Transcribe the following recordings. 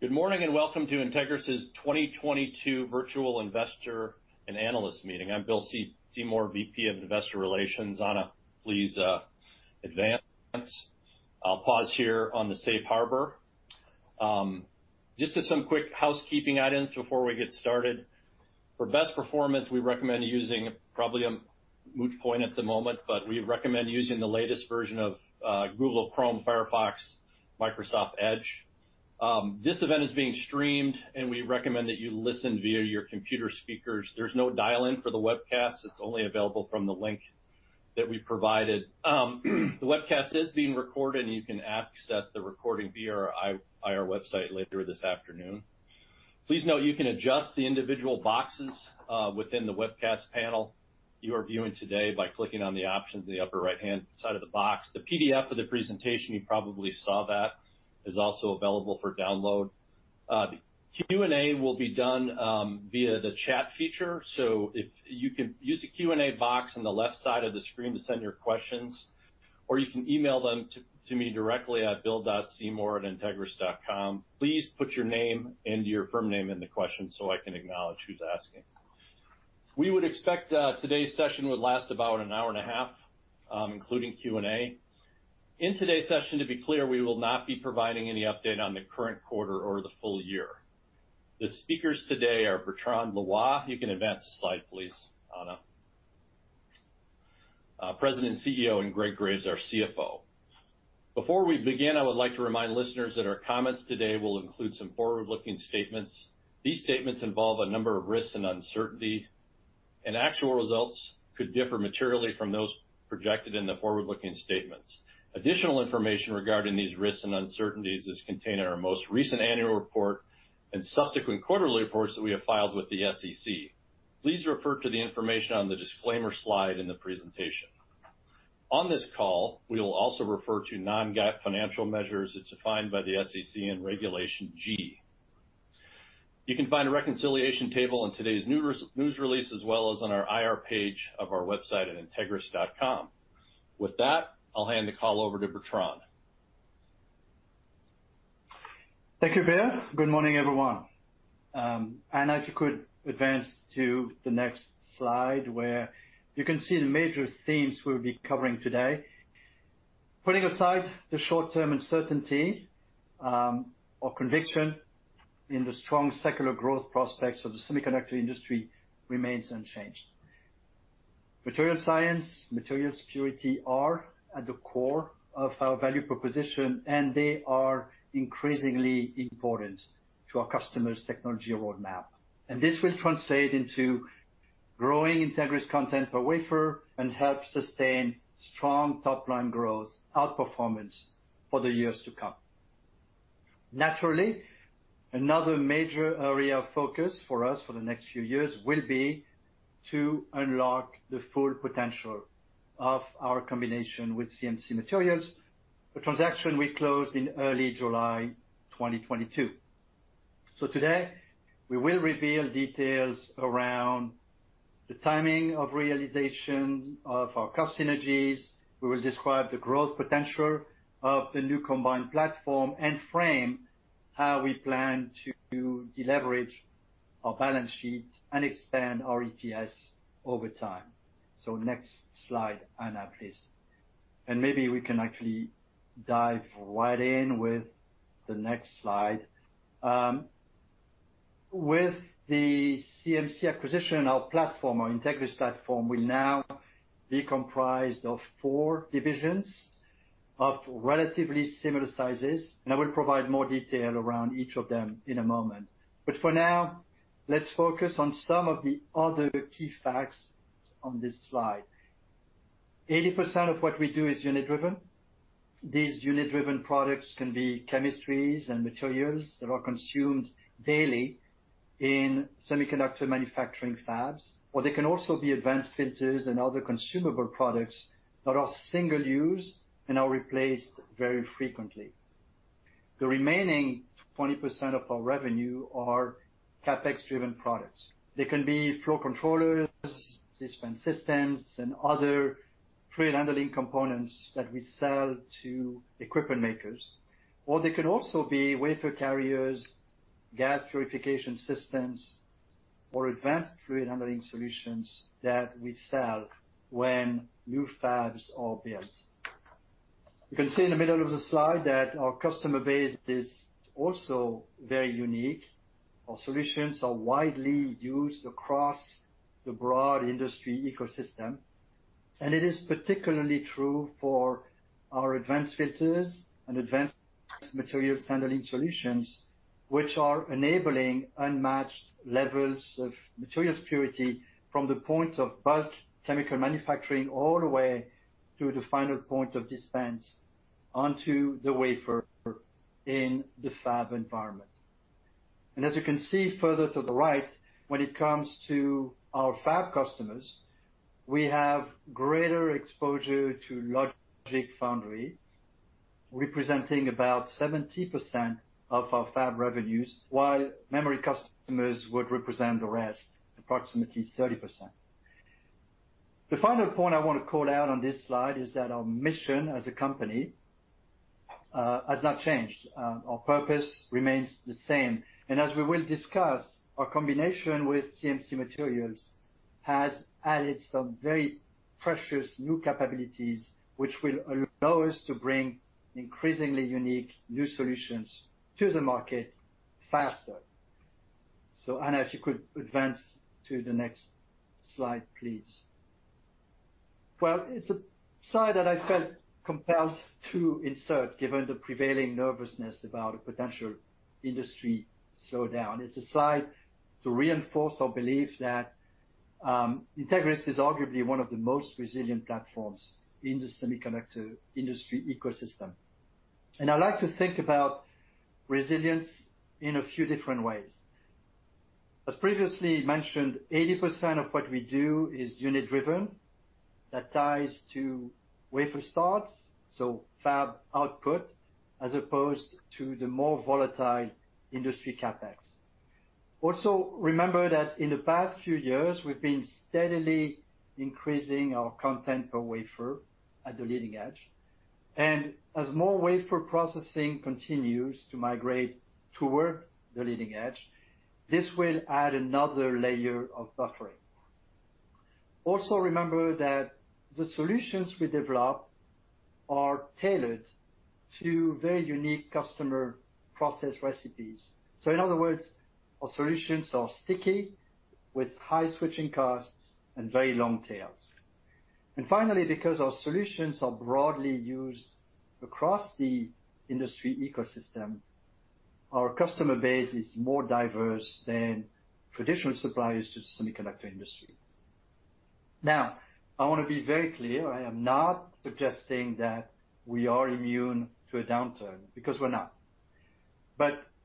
Good morning, and welcome to Entegris's 2022 Virtual Investor and Analyst Meeting. I'm Bill Seymour, VP of Investor Relations. Ana, please, advance. I'll pause here on the safe harbor. Just as some quick housekeeping items before we get started. For best performance, we recommend using probably a moot point at the moment, but we recommend using the latest version of Google Chrome, Firefox, Microsoft Edge. This event is being streamed, and we recommend that you listen via your computer speakers. There's no dial-in for the webcast. It's only available from the link that we provided. The webcast is being recorded, and you can access the recording via our IR website later this afternoon. Please note you can adjust the individual boxes within the webcast panel you are viewing today by clicking on the options in the upper right-hand side of the box. The PDF of the presentation, you probably saw that, is also available for download. The Q&A will be done via the chat feature, so if you can use the Q&A box on the left side of the screen to send your questions, or you can email them to me directly at bill.seymour@entegris.com. Please put your name and your firm name in the question so I can acknowledge who's asking. We would expect today's session would last about an hour and a half, including Q&A. In today's session, to be clear, we will not be providing any update on the current quarter or the full year. The speakers today are Bertrand Loy. You can advance the slide, please, Ana. President, CEO, and Greg Graves, our CFO. Before we begin, I would like to remind listeners that our comments today will include some forward-looking statements. These statements involve a number of risks and uncertainty, and actual results could differ materially from those projected in the forward-looking statements. Additional information regarding these risks and uncertainties is contained in our most recent annual report and subsequent quarterly reports that we have filed with the SEC. Please refer to the information on the disclaimer slide in the presentation. On this call, we will also refer to non-GAAP financial measures as defined by the SEC in Regulation G. You can find a reconciliation table in today's news release, as well as on our IR page of our website at Entegris.com. With that, I'll hand the call over to Bertrand. Thank you, Bill. Good morning, everyone. Ana, if you could advance to the next slide where you can see the major themes we'll be covering today. Putting aside the short-term uncertainty, our conviction in the strong secular growth prospects of the semiconductor industry remains unchanged. Material science, material security are at the core of our value proposition, and they are increasingly important to our customers' technology roadmap. This will translate into growing Entegris content per wafer and help sustain strong top-line growth outperformance for the years to come. Naturally, another major area of focus for us for the next few years will be to unlock the full potential of our combination with CMC Materials, a transaction we closed in early July 2022. Today, we will reveal details around the timing of realization of our cost synergies. We will describe the growth potential of the new combined platform and frame how we plan to deleverage our balance sheet and expand our EPS over time. Next slide, Ana, please. Maybe we can actually dive right in with the next slide. With the CMC acquisition, our platform, our Entegris platform, will now be comprised of four divisions of relatively similar sizes, and I will provide more detail around each of them in a moment. For now, let's focus on some of the other key facts on this slide. 80% of what we do is unit driven. These unit-driven products can be chemistries and materials that are consumed daily in semiconductor manufacturing fabs, or they can also be advanced filters and other consumable products that are single use and are replaced very frequently. The remaining 20% of our revenue are CapEx driven products. They can be flow controllers, dispense systems, and other fluid handling components that we sell to equipment makers. Or they can also be wafer carriers, gas purification systems, or advanced fluid handling solutions that we sell when new fabs are built. You can see in the middle of the slide that our customer base is also very unique. Our solutions are widely used across the broad industry ecosystem, and it is particularly true for our advanced filters and advanced materials handling solutions, which are enabling unmatched levels of material purity from the point of bulk chemical manufacturing all the way to the final point of dispense onto the wafer in the fab environment. As you can see further to the right, when it comes to our fab customers, we have greater exposure to logic foundry, representing about 70% of our fab revenues, while memory customers would represent the rest, approximately 30%. The final point I want to call out on this slide is that our mission as a company has not changed. Our purpose remains the same. As we will discuss, our combination with CMC Materials has added some very precious new capabilities, which will allow us to bring increasingly unique new solutions to the market faster. Anna, if you could advance to the next slide, please. Well, it's a slide that I felt compelled to insert given the prevailing nervousness about a potential industry slowdown. It's a slide to reinforce our belief that Entegris is arguably one of the most resilient platforms in the semiconductor industry ecosystem. I like to think about resilience in a few different ways. As previously mentioned, 80% of what we do is unit-driven. That ties to wafer starts, so fab output, as opposed to the more volatile industry CapEx. Also, remember that in the past few years, we've been steadily increasing our content per wafer at the leading edge. As more wafer processing continues to migrate toward the leading edge, this will add another layer of buffering. Also remember that the solutions we develop are tailored to very unique customer process recipes. In other words, our solutions are sticky with high switching costs and very long tails. Finally, because our solutions are broadly used across the industry ecosystem, our customer base is more diverse than traditional suppliers to the semiconductor industry. Now, I want to be very clear, I am not suggesting that we are immune to a downturn, because we're not.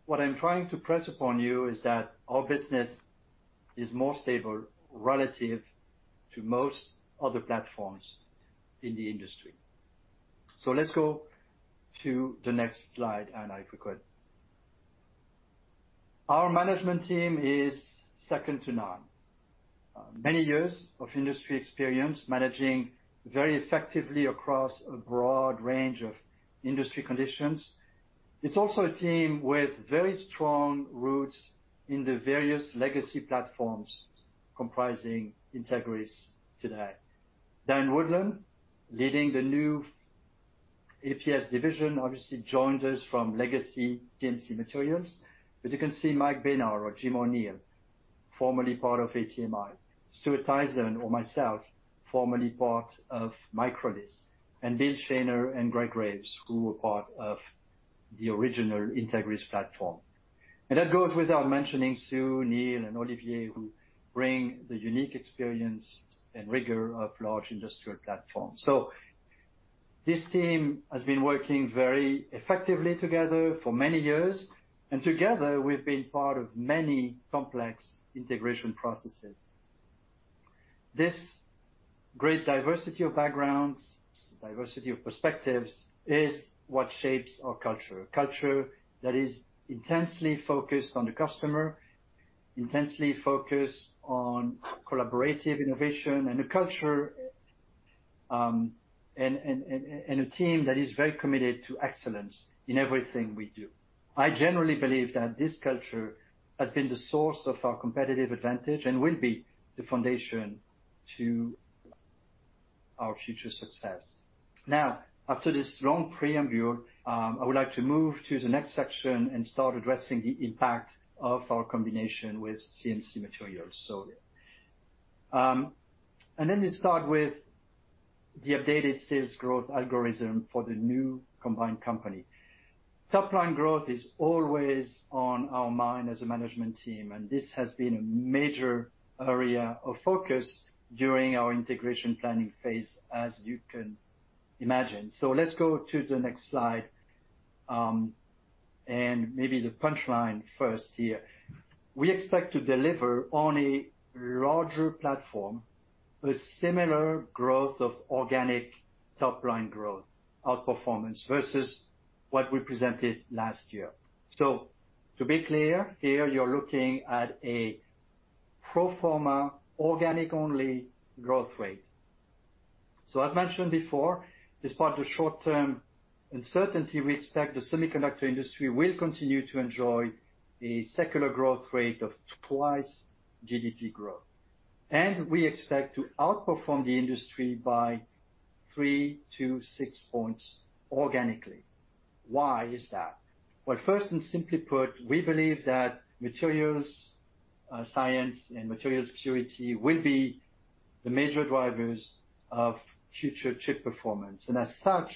What I'm trying to press upon you is that our business is more stable relative to most other platforms in the industry. Let's go to the next slide, Anna, if you could. Our management team is second to none. Many years of industry experience managing very effectively across a broad range of industry conditions. It's also a team with very strong roots in the various legacy platforms comprising Entegris today. Dann Woodland, leading the new APS division, obviously joined us from legacy CMC Materials. You can see Mike Besnard or Jim O'Neill, formerly part of ATMI. Stuart Tison or myself, formerly part of Mykrolis, and Bill Shaner and Greg Graves, who were part of the original Entegris platform. That goes without mentioning Sue, Neil, and Olivier, who bring the unique experience and rigor of large industrial platforms. This team has been working very effectively together for many years, and together we've been part of many complex integration processes. This great diversity of backgrounds, diversity of perspectives, is what shapes our culture. A culture that is intensely focused on the customer, intensely focused on collaborative innovation, and a team that is very committed to excellence in everything we do. I generally believe that this culture has been the source of our competitive advantage and will be the foundation to our future success. Now, after this long preamble, I would like to move to the next section and start addressing the impact of our combination with CMC Materials. And let me start with the updated sales growth algorithm for the new combined company. Top line growth is always on our mind as a management team, and this has been a major area of focus during our integration planning phase, as you can imagine. Let's go to the next slide, and maybe the punchline first here. We expect to deliver on a larger platform with similar growth of organic top line growth outperformance versus what we presented last year. To be clear, here you're looking at a pro forma organic-only growth rate. As mentioned before, despite the short-term uncertainty, we expect the semiconductor industry will continue to enjoy a secular growth rate of twice GDP growth. We expect to outperform the industry by 3%-6% organically. Why is that? Well, first and simply put, we believe that materials science and materials purity will be the major drivers of future chip performance. As such,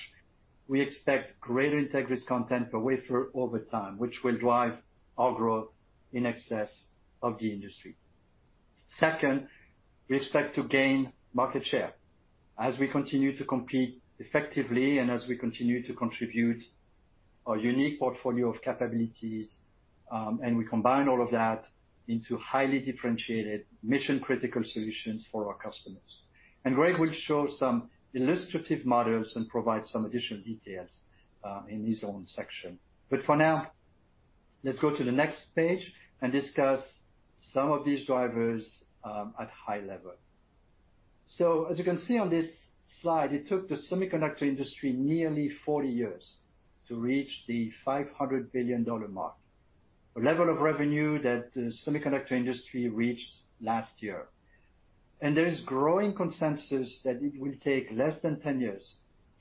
we expect greater Entegris content per wafer over time, which will drive our growth in excess of the industry. Second, we expect to gain market share as we continue to compete effectively and as we continue to contribute our unique portfolio of capabilities, and we combine all of that into highly differentiated mission-critical solutions for our customers. Greg will show some illustrative models and provide some additional details in his own section. For now. Let's go to the next page and discuss some of these drivers at high level. As you can see on this slide, it took the semiconductor industry nearly 40 years to reach the $500 billion mark. A level of revenue that the semiconductor industry reached last year. There is growing consensus that it will take less than 10 years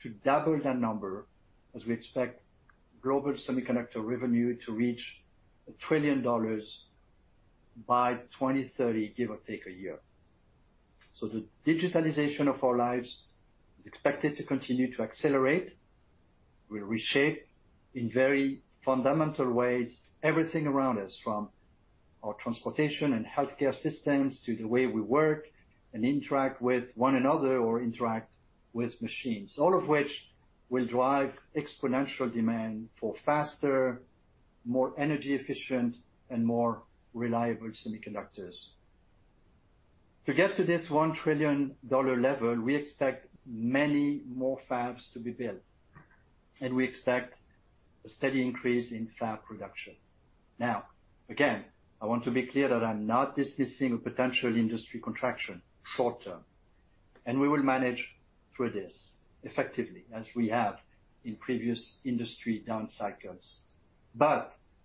to double that number, as we expect global semiconductor revenue to reach $1 trillion by 2030, give or take a year. The digitalization of our lives is expected to continue to accelerate. Will reshape in very fundamental ways, everything around us, from our transportation and healthcare systems to the way we work and interact with one another or interact with machines. All of which will drive exponential demand for faster, more energy efficient and more reliable semiconductors. To get to this $1 trillion level, we expect many more fabs to be built, and we expect a steady increase in fab production. Now, again, I want to be clear that I'm not dismissing a potential industry contraction short term, and we will manage through this effectively as we have in previous industry down cycles.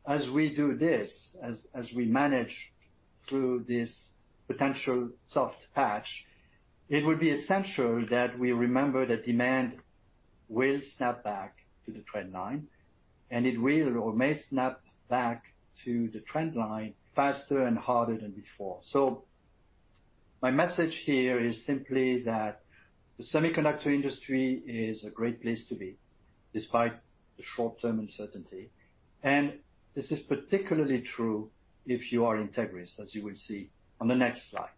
As we do this, as we manage through this potential soft patch, it would be essential that we remember that demand will snap back to the trend line, and it will or may snap back to the trend line faster and harder than before. My message here is simply that the semiconductor industry is a great place to be despite the short term uncertainty. This is particularly true if you are Entegris, as you will see on the next slide.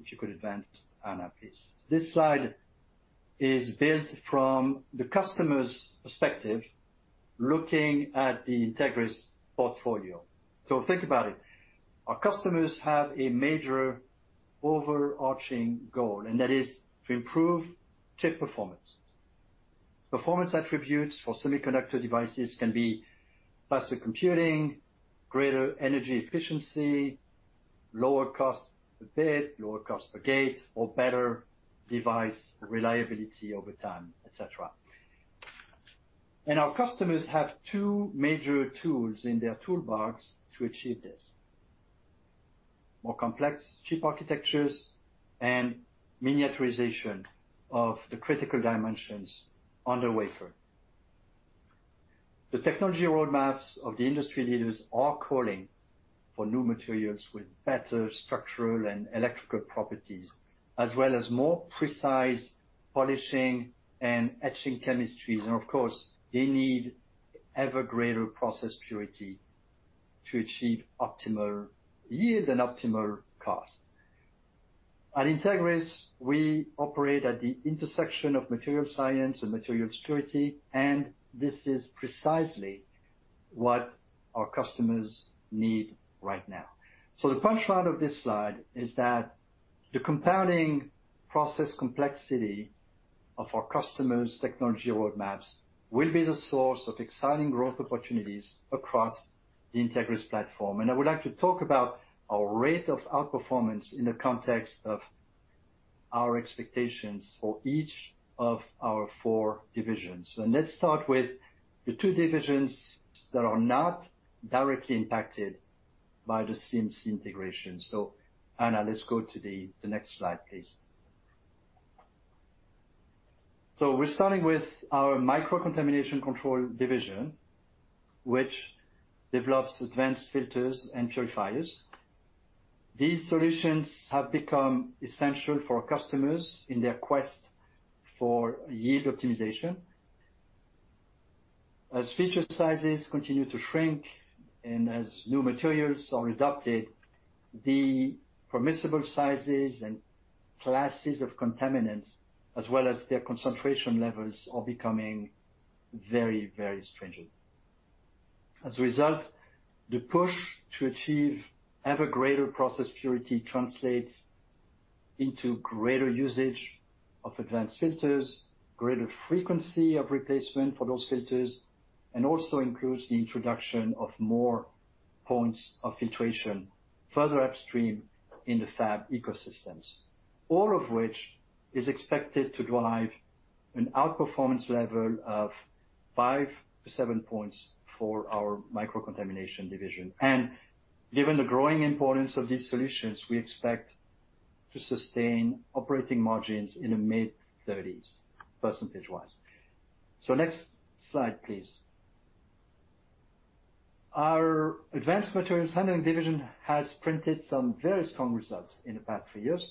If you could advance, Anna, please. This slide is built from the customer's perspective, looking at the Entegris portfolio. Think about it. Our customers have a major overarching goal, and that is to improve chip performance. Performance attributes for semiconductor devices can be faster computing, greater energy efficiency, lower cost per bit, lower cost per gate, or better device reliability over time, et cetera. Our customers have two major tools in their toolbox to achieve this. More complex chip architectures and miniaturization of the critical dimensions on the wafer. The technology roadmaps of the industry leaders are calling for new materials with better structural and electrical properties, as well as more precise polishing and etching chemistries. Of course, they need ever greater process purity to achieve optimal yield and optimal cost. At Entegris, we operate at the intersection of material science and materials purity, and this is precisely what our customers need right now. The punchline of this slide is that the compounding process complexity of our customers' technology roadmaps will be the source of exciting growth opportunities across the Entegris platform. I would like to talk about our rate of outperformance in the context of our expectations for each of our four divisions. Let's start with the two divisions that are not directly impacted by the CMC integration. Anna, let's go to the next slide, please. We're starting with our microcontamination control division, which develops advanced filters and purifiers. These solutions have become essential for our customers in their quest for yield optimization. As feature sizes continue to shrink and as new materials are adopted, the permissible sizes and classes of contaminants, as well as their concentration levels, are becoming very, very stringent. As a result, the push to achieve ever greater process purity translates into greater usage of advanced filters, greater frequency of replacement for those filters, and also includes the introduction of more points of filtration further upstream in the fab ecosystems. All of which is expected to drive an outperformance level of five to seven points for our Microcontamination Division. Given the growing importance of these solutions, we expect to sustain operating margins in the mid-30s%. Next slide, please. Our Advanced Materials Handling Division has printed some very strong results in the past three years,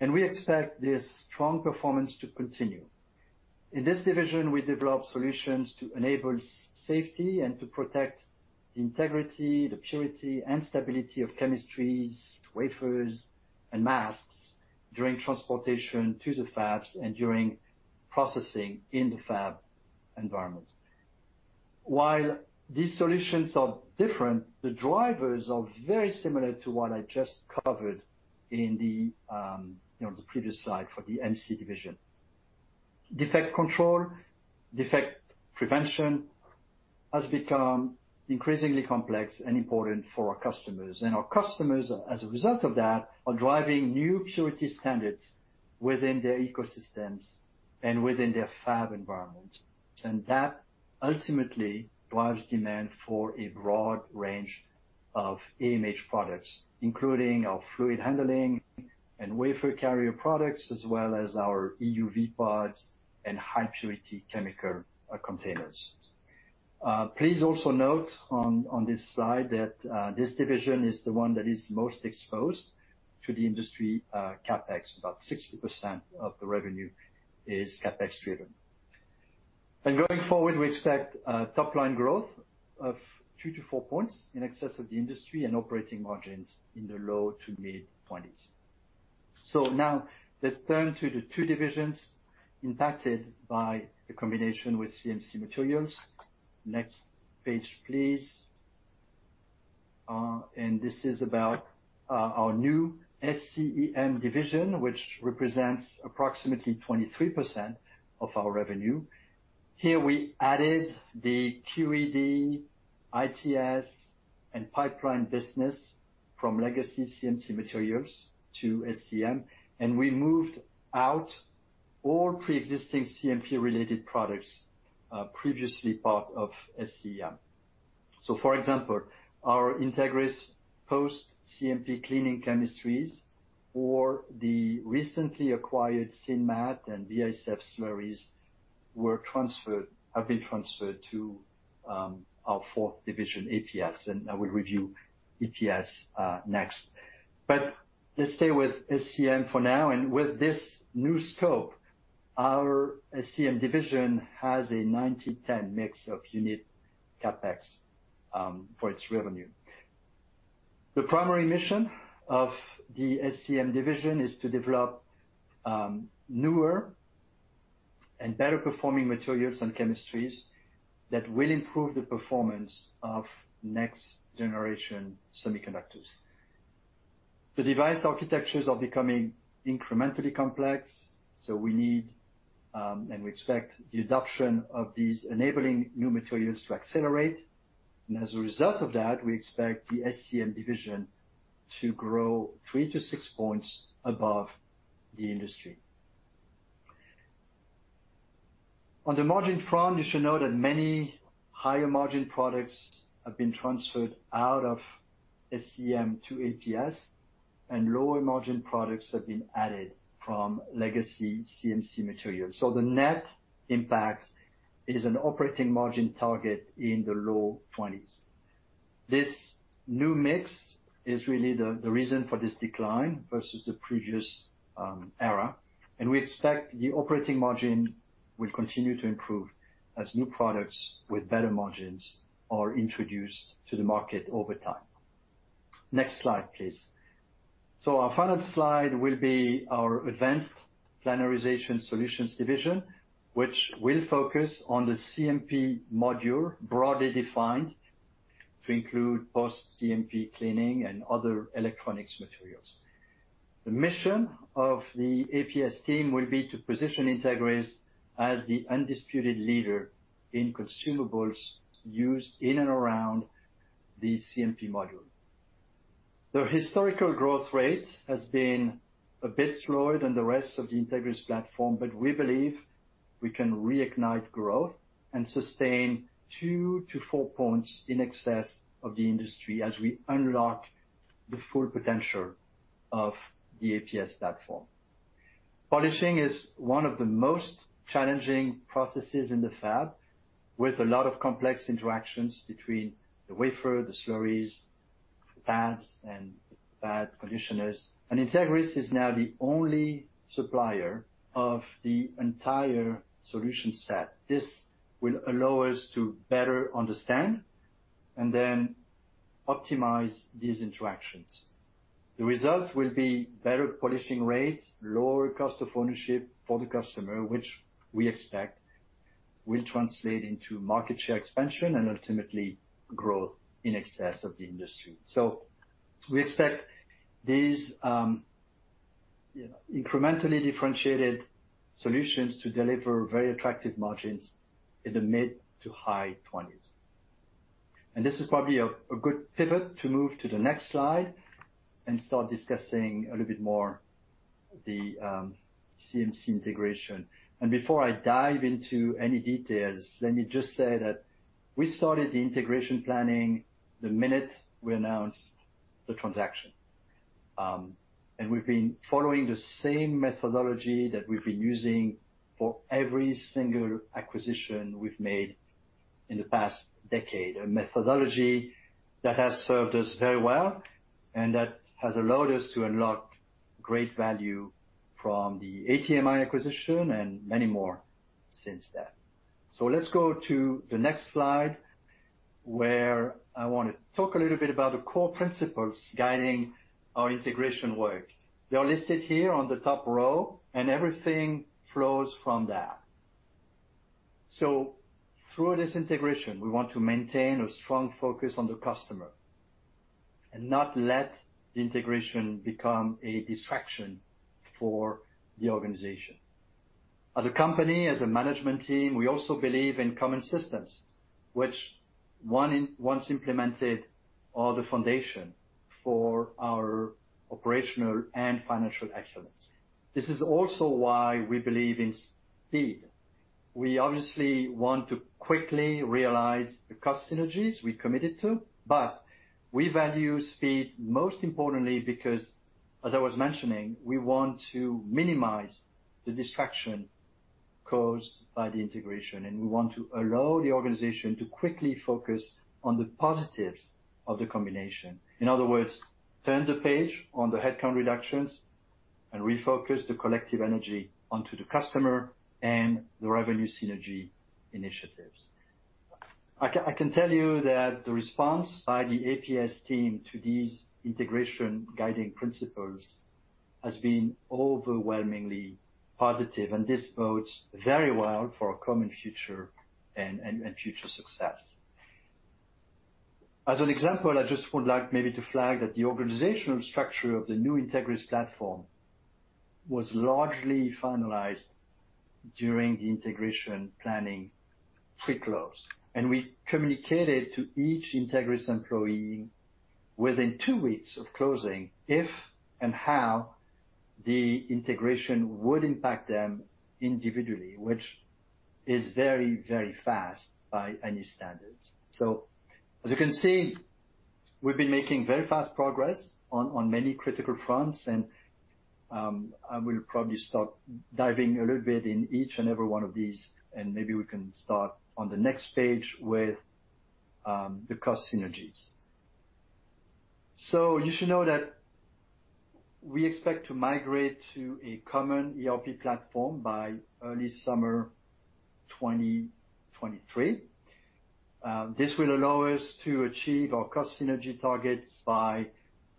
and we expect this strong performance to continue. In this division, we develop solutions to enable safety and to protect the integrity, the purity and stability of chemistries, wafers and masks during transportation to the fabs and during processing in the fab environment. While these solutions are different, the drivers are very similar to what I just covered in the, you know, the previous slide for the MC division. Defect control, defect prevention has become increasingly complex and important for our customers. Our customers, as a result of that, are driving new purity standards within their ecosystems and within their fab environments. That ultimately drives demand for a broad range of AMH products, including our fluid handling and wafer carrier products, as well as our EUV pods and high purity chemical containers. Please also note on this slide that this division is the one that is most exposed to the industry CapEx. About 60% of the revenue is CapEx driven. Going forward, we expect top line growth of two to four points in excess of the industry and operating margins in the low to mid-20s. Now let's turn to the two divisions impacted by the combination with CMC Materials. Next page, please. This is about our new SCEM division, which represents approximately 23% of our revenue. Here we added the QED, ITS, and PIM business from legacy CMC Materials to SCM, and we moved out all preexisting CMP-related products previously part of SCM. For example, our Entegris post CMP cleaning chemistries or the recently acquired Sinmat and Viasep slurries have been transferred to our fourth division, APS, and I will review APS next. Let's stay with SCEM for now. With this new scope, our SCEM division has a 90/10 mix of unit CapEx for its revenue. The primary mission of the SCEM division is to develop newer and better performing materials and chemistries that will improve the performance of next generation semiconductors. The device architectures are becoming incrementally complex, so we need and we expect the adoption of these enabling new materials to accelerate. As a result of that, we expect the SCEM division to grow three to six points above the industry. On the margin front, you should know that many higher margin products have been transferred out of SCM to APS, and lower margin products have been added from legacy CMC Materials. The net impact is an operating margin target in the low 20s%. This new mix is really the reason for this decline versus the previous era. We expect the operating margin will continue to improve as new products with better margins are introduced to the market over time. Next slide, please. Our final slide will be our Advanced Planarization Solutions division, which will focus on the CMP module, broadly defined to include post CMP cleaning and other electronics materials. The mission of the APS team will be to position Entegris as the undisputed leader in consumables used in and around the CMP module. The historical growth rate has been a bit slower than the rest of the Entegris platform, but we believe we can reignite growth and sustain two to four points in excess of the industry as we unlock the full potential of the APS platform. Polishing is one of the most challenging processes in the fab, with a lot of complex interactions between the wafer, the slurries, the pads and pad conditioners. Entegris is now the only supplier of the entire solution set. This will allow us to better understand and then optimize these interactions. The result will be better polishing rates, lower cost of ownership for the customer, which we expect will translate into market share expansion and ultimately growth in excess of the industry. We expect these, you know, incrementally differentiated solutions to deliver very attractive margins in the mid- to high-20s%. This is probably a good pivot to move to the next slide and start discussing a little bit more the CMC integration. Before I dive into any details, let me just say that we started the integration planning the minute we announced the transaction. We've been following the same methodology that we've been using for every single acquisition we've made in the past decade. A methodology that has served us very well and that has allowed us to unlock great value from the ATMI acquisition and many more since then. Let's go to the next slide, where I want to talk a little bit about the core principles guiding our integration work. They are listed here on the top row, and everything flows from that. Through this integration, we want to maintain a strong focus on the customer and not let the integration become a distraction for the organization. As a company, as a management team, we also believe in common systems, which, once implemented, are the foundation for our operational and financial excellence. This is also why we believe in speed. We obviously want to quickly realize the cost synergies we committed to, but we value speed, most importantly, because as I was mentioning, we want to minimize the distraction caused by the integration, and we want to allow the organization to quickly focus on the positives of the combination. In other words, turn the page on the headcount reductions and refocus the collective energy onto the customer and the revenue synergy initiatives. I can tell you that the response by the APS team to these integration guiding principles has been overwhelmingly positive, and this bodes very well for our common future and future success. As an example, I just would like maybe to flag that the organizational structure of the new Entegris platform was largely finalized during the integration planning pre-close. We communicated to each Entegris employee within two weeks of closing if and how the integration would impact them individually, which is very, very fast by any standards. As you can see, we've been making very fast progress on many critical fronts. I will probably start diving a little bit in each and every one of these, and maybe we can start on the next page with the cost synergies. You should know that we expect to migrate to a common ERP platform by early summer 2023. This will allow us to achieve our cost synergy targets by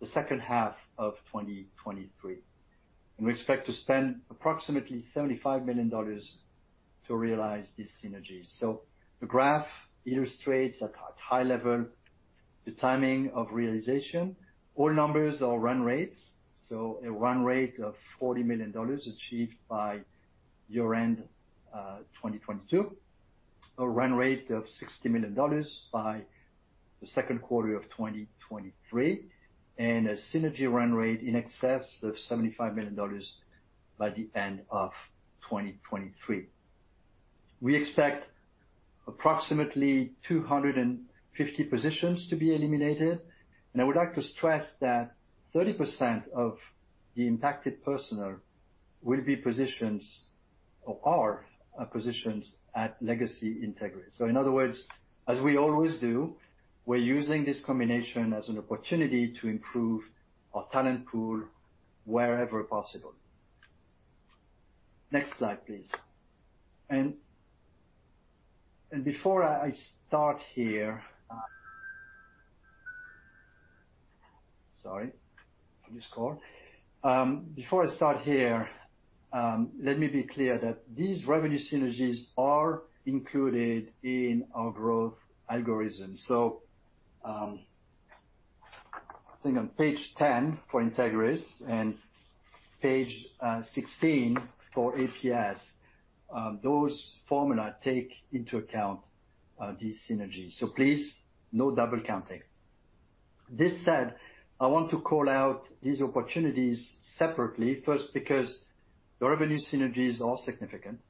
the second half of 2023. We expect to spend approximately $75 million to realize these synergies. The graph illustrates at a high level the timing of realization. All numbers are run rates, so a run rate of $40 million achieved by year-end 2022. A run rate of $60 million by the second quarter of 2023, and a synergy run rate in excess of $75 million by the end of 2023. We expect approximately 250 positions to be eliminated, and I would like to stress that 30% of the impacted personnel will be positions at Legacy Entegris. In other words, as we always do, we're using this combination as an opportunity to improve our talent pool wherever possible. Next slide, please. Sorry for this call. Before I start here, let me be clear that these revenue synergies are included in our growth algorithm. I think on page 10 for Entegris and page 16 for APS, those formulas take into account these synergies. Please, no double counting. That said, I want to call out these opportunities separately. First, because the revenue synergies are significant,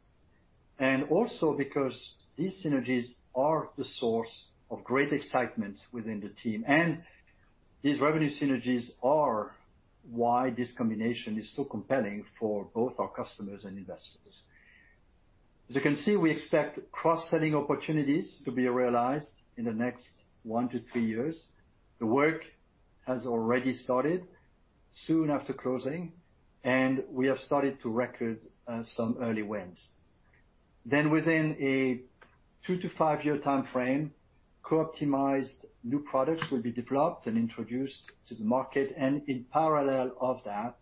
and also because these synergies are the source of great excitement within the team, and these revenue synergies are why this combination is so compelling for both our customers and investors. As you can see, we expect cross-selling opportunities to be realized in the next one to three years. The work has already started soon after closing, and we have started to record some early wins. Within a two to five year timeframe, co-optimized new products will be developed and introduced to the market, and in parallel of that,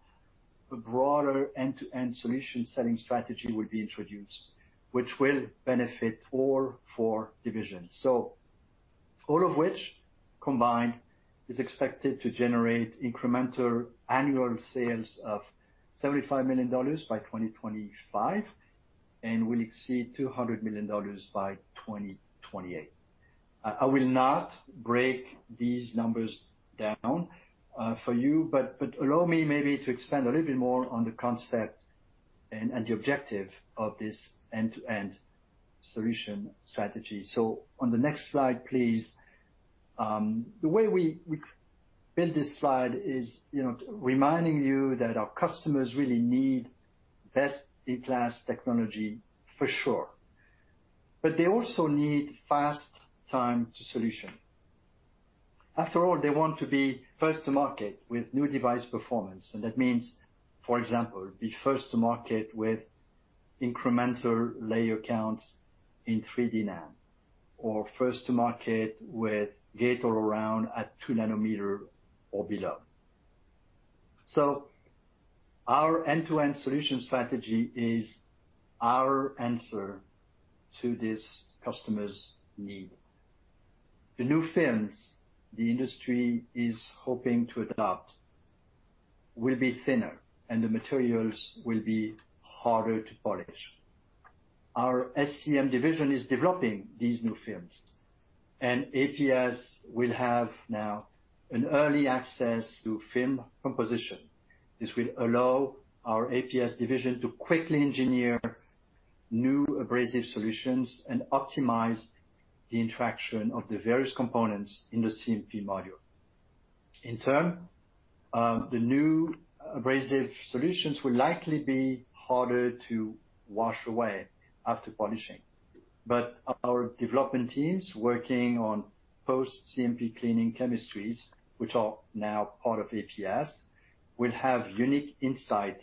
a broader end-to-end solution selling strategy will be introduced, which will benefit all four divisions. All of which combined is expected to generate incremental annual sales of $75 million by 2025 and will exceed $200 million by 2028. I will not break these numbers down for you, but allow me maybe to expand a little bit more on the concept and the objective of this end-to-end solution strategy. On the next slide, please. The way we built this slide is, you know, reminding you that our customers really need best-in-class technology for sure, but they also need fast time to solution. After all, they want to be first to market with new device performance, and that means, for example, be first to market with incremental layer counts in 3D NAND or first to market with gate-all-around at two nanometer or below. Our end-to-end solution strategy is our answer to this customer's need. The new films the industry is hoping to adopt will be thinner, and the materials will be harder to polish. Our SCM division is developing these new films, and APS will have now an early access to film composition. This will allow our APS division to quickly engineer new abrasive solutions and optimize the interaction of the various components in the CMP module. In turn, the new abrasive solutions will likely be harder to wash away after polishing. Our development teams working on post-CMP cleaning chemistries, which are now part of APS, will have unique insight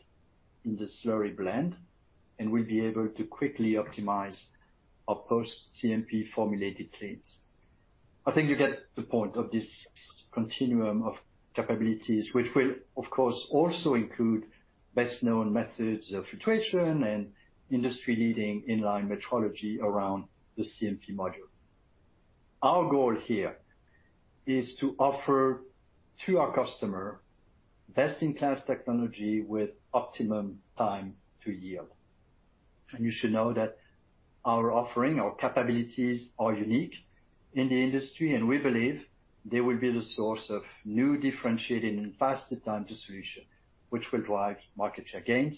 in the slurry blend and will be able to quickly optimize our post-CMP formulated cleans. I think you get the point of this continuum of capabilities, which will of course also include best-known methods of filtration and industry-leading in-line metrology around the CMP module. Our goal here is to offer to our customer best-in-class technology with optimum time to yield. You should know that our offering, our capabilities are unique in the industry, and we believe they will be the source of new differentiating and faster time to solution, which will drive market share gains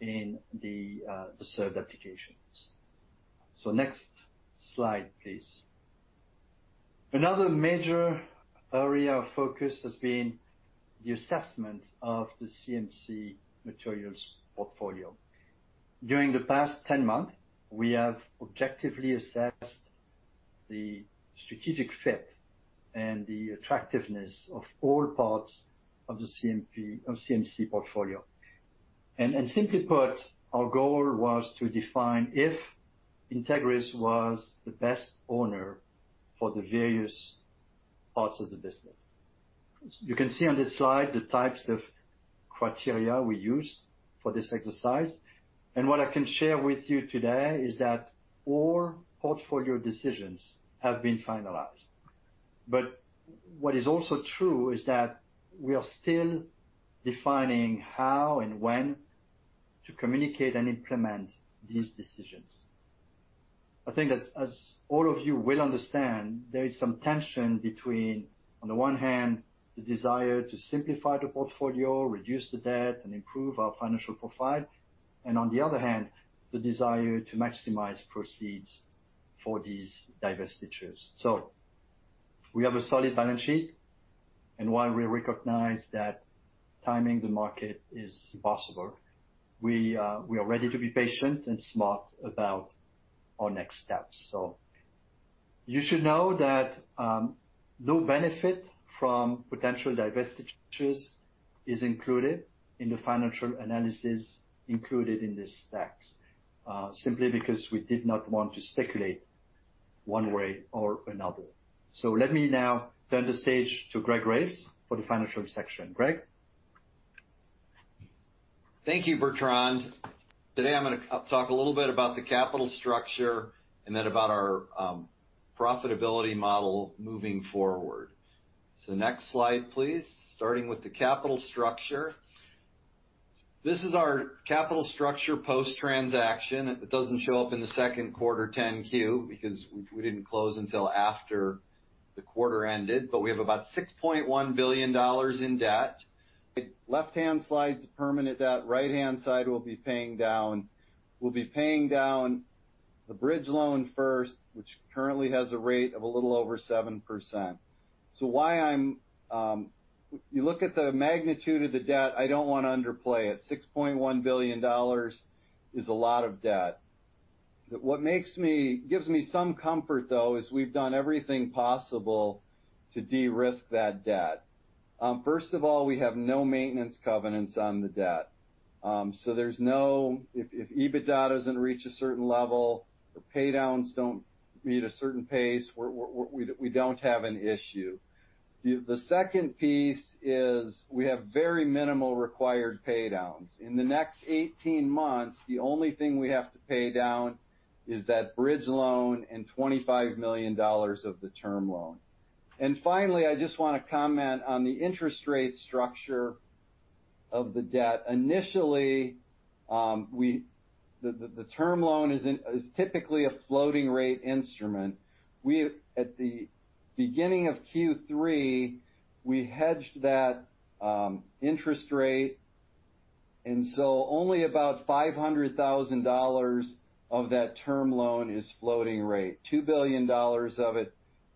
in the served applications. Next slide, please. Another major area of focus has been the assessment of the CMC Materials portfolio. During the past 10 months, we have objectively assessed the strategic fit and the attractiveness of all parts of the CMC Materials portfolio. Simply put, our goal was to define if Entegris was the best owner for the various parts of the business. You can see on this slide the types of criteria we used for this exercise. What I can share with you today is that all portfolio decisions have been finalized. What is also true is that we are still defining how and when to communicate and implement these decisions. I think as all of you will understand, there is some tension between, on the one hand, the desire to simplify the portfolio, reduce the debt, and improve our financial profile, and on the other hand, the desire to maximize proceeds for these divestitures. We have a solid balance sheet, and while we recognize that timing the market is possible, we are ready to be patient and smart about our next steps. You should know that no benefit from potential divestitures is included in the financial analysis included in this deck, simply because we did not want to speculate one way or another. Let me now turn the stage to Greg Graves for the financial section. Greg? Thank you, Bertrand. Today, I'm gonna talk a little bit about the capital structure and then about our profitability model moving forward. Next slide, please. Starting with the capital structure. This is our capital structure post-transaction. It doesn't show up in the second quarter 10-Q because we didn't close until after the quarter ended. We have about $6.1 billion in debt. Left-hand side's permanent debt. Right-hand side, we'll be paying down the bridge loan first, which currently has a rate of a little over 7%. You look at the magnitude of the debt, I don't wanna underplay it. $6.1 billion is a lot of debt. What gives me some comfort though is we've done everything possible to de-risk that debt. First of all, we have no maintenance covenants on the debt. So there's no. If EBITDA doesn't reach a certain level or paydowns don't meet a certain pace, we don't have an issue. The second piece is we have very minimal required paydowns. In the next 18 months, the only thing we have to pay down is that bridge loan and $25 million of the term loan. Finally, I just wanna comment on the interest rate structure of the debt. Initially, the term loan is typically a floating rate instrument. At the beginning of Q3, we hedged that interest rate, and so only about $500,000 of that term loan is floating rate. $2 billion of it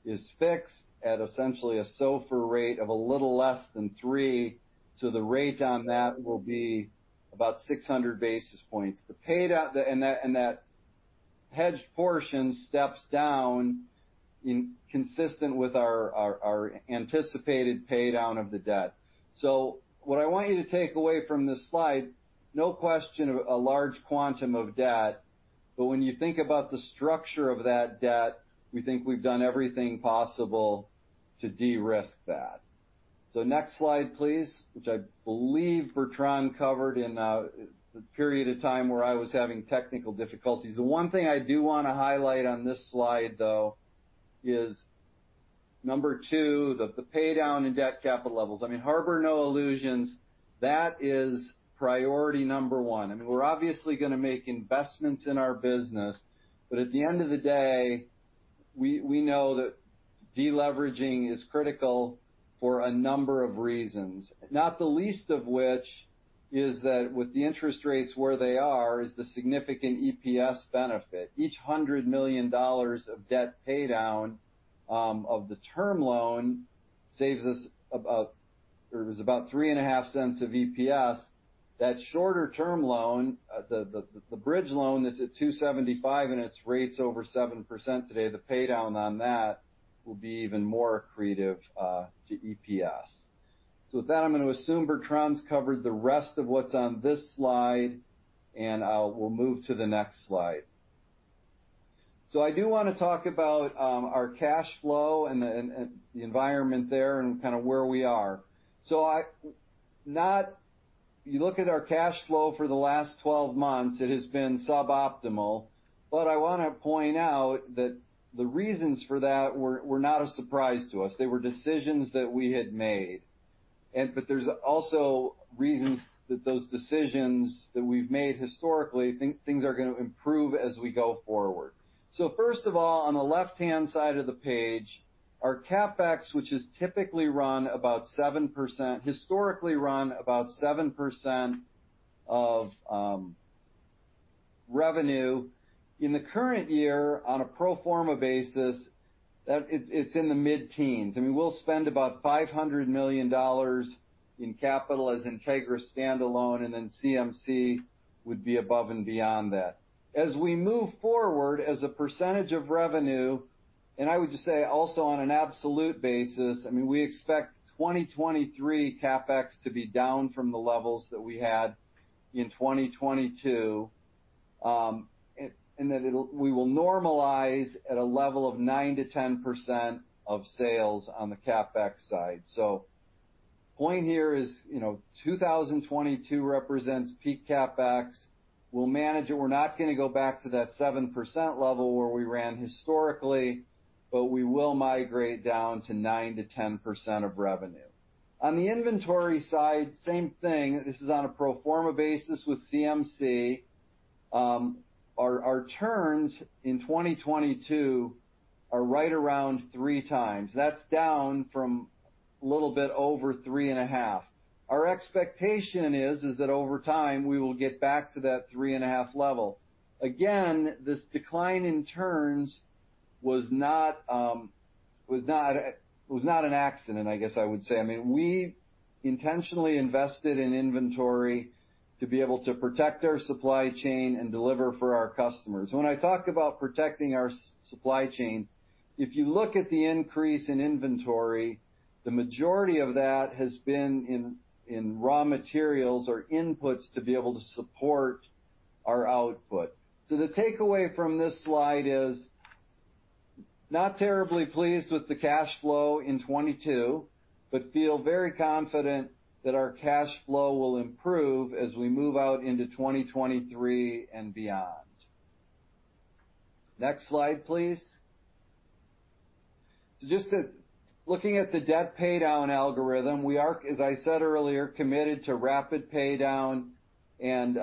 is fixed at essentially a SOFR rate of a little less than 3%. The rate on that will be about 600 basis points. The paydown. That hedged portion steps down consistent with our anticipated paydown of the debt. What I want you to take away from this slide, no question of a large quantum of debt. When you think about the structure of that debt, we think we've done everything possible to de-risk that. Next slide, please, which I believe Bertrand covered in the period of time where I was having technical difficulties. The one thing I do wanna highlight on this slide, though, is number two, the paydown in debt and capital levels. I mean, harbor no illusions, that is priority number one. I mean, we're obviously gonna make investments in our business. At the end of the day, we know that deleveraging is critical for a number of reasons, not the least of which is that with the interest rates where they are is the significant EPS benefit. Each $100 million of debt pay down of the term loan saves us about or it was about 3.5 cents of EPS. That shorter-term loan, the bridge loan that's at 275, and its rate's over 7% today, the pay down on that will be even more accretive to EPS. With that, I'm gonna assume Bertrand's covered the rest of what's on this slide, and we'll move to the next slide. I do wanna talk about our cash flow and the environment there and kinda where we are. You look at our cash flow for the last 12 months, it has been suboptimal. I wanna point out that the reasons for that were not a surprise to us. They were decisions that we had made. There's also reasons that those decisions that we've made historically, things are gonna improve as we go forward. First of all, on the left-hand side of the page, our CapEx, which is typically run about 7%, historically run about 7% of revenue, in the current year, on a pro forma basis, it's in the mid-teens. I mean, we'll spend about $500 million in capital as Entegris standalone, and then CMC would be above and beyond that. As we move forward, as a percentage of revenue, and I would just say also on an absolute basis, I mean, we expect 2023 CapEx to be down from the levels that we had in 2022, and we will normalize at a level of 9%-10% of sales on the CapEx side. Point here is, you know, 2022 represents peak CapEx. We'll manage it. We're not gonna go back to that 7% level where we ran historically, but we will migrate down to 9%-10% of revenue. On the inventory side, same thing. This is on a pro forma basis with CMC. Our turns in 2022 are right around three times. That's down from a little bit over 3.5 times. Our expectation is that over time, we will get back to that 3.5 level. Again, this decline in turns was not an accident, I guess I would say. I mean, we intentionally invested in inventory to be able to protect our supply chain and deliver for our customers. When I talk about protecting our supply chain, if you look at the increase in inventory, the majority of that has been in raw materials or inputs to be able to support our output. The takeaway from this slide is, not terribly pleased with the cash flow in 2022, but feel very confident that our cash flow will improve as we move out into 2023 and beyond. Next slide, please. Just looking at the debt pay down algorithm, we are, as I said earlier, committed to rapid pay down and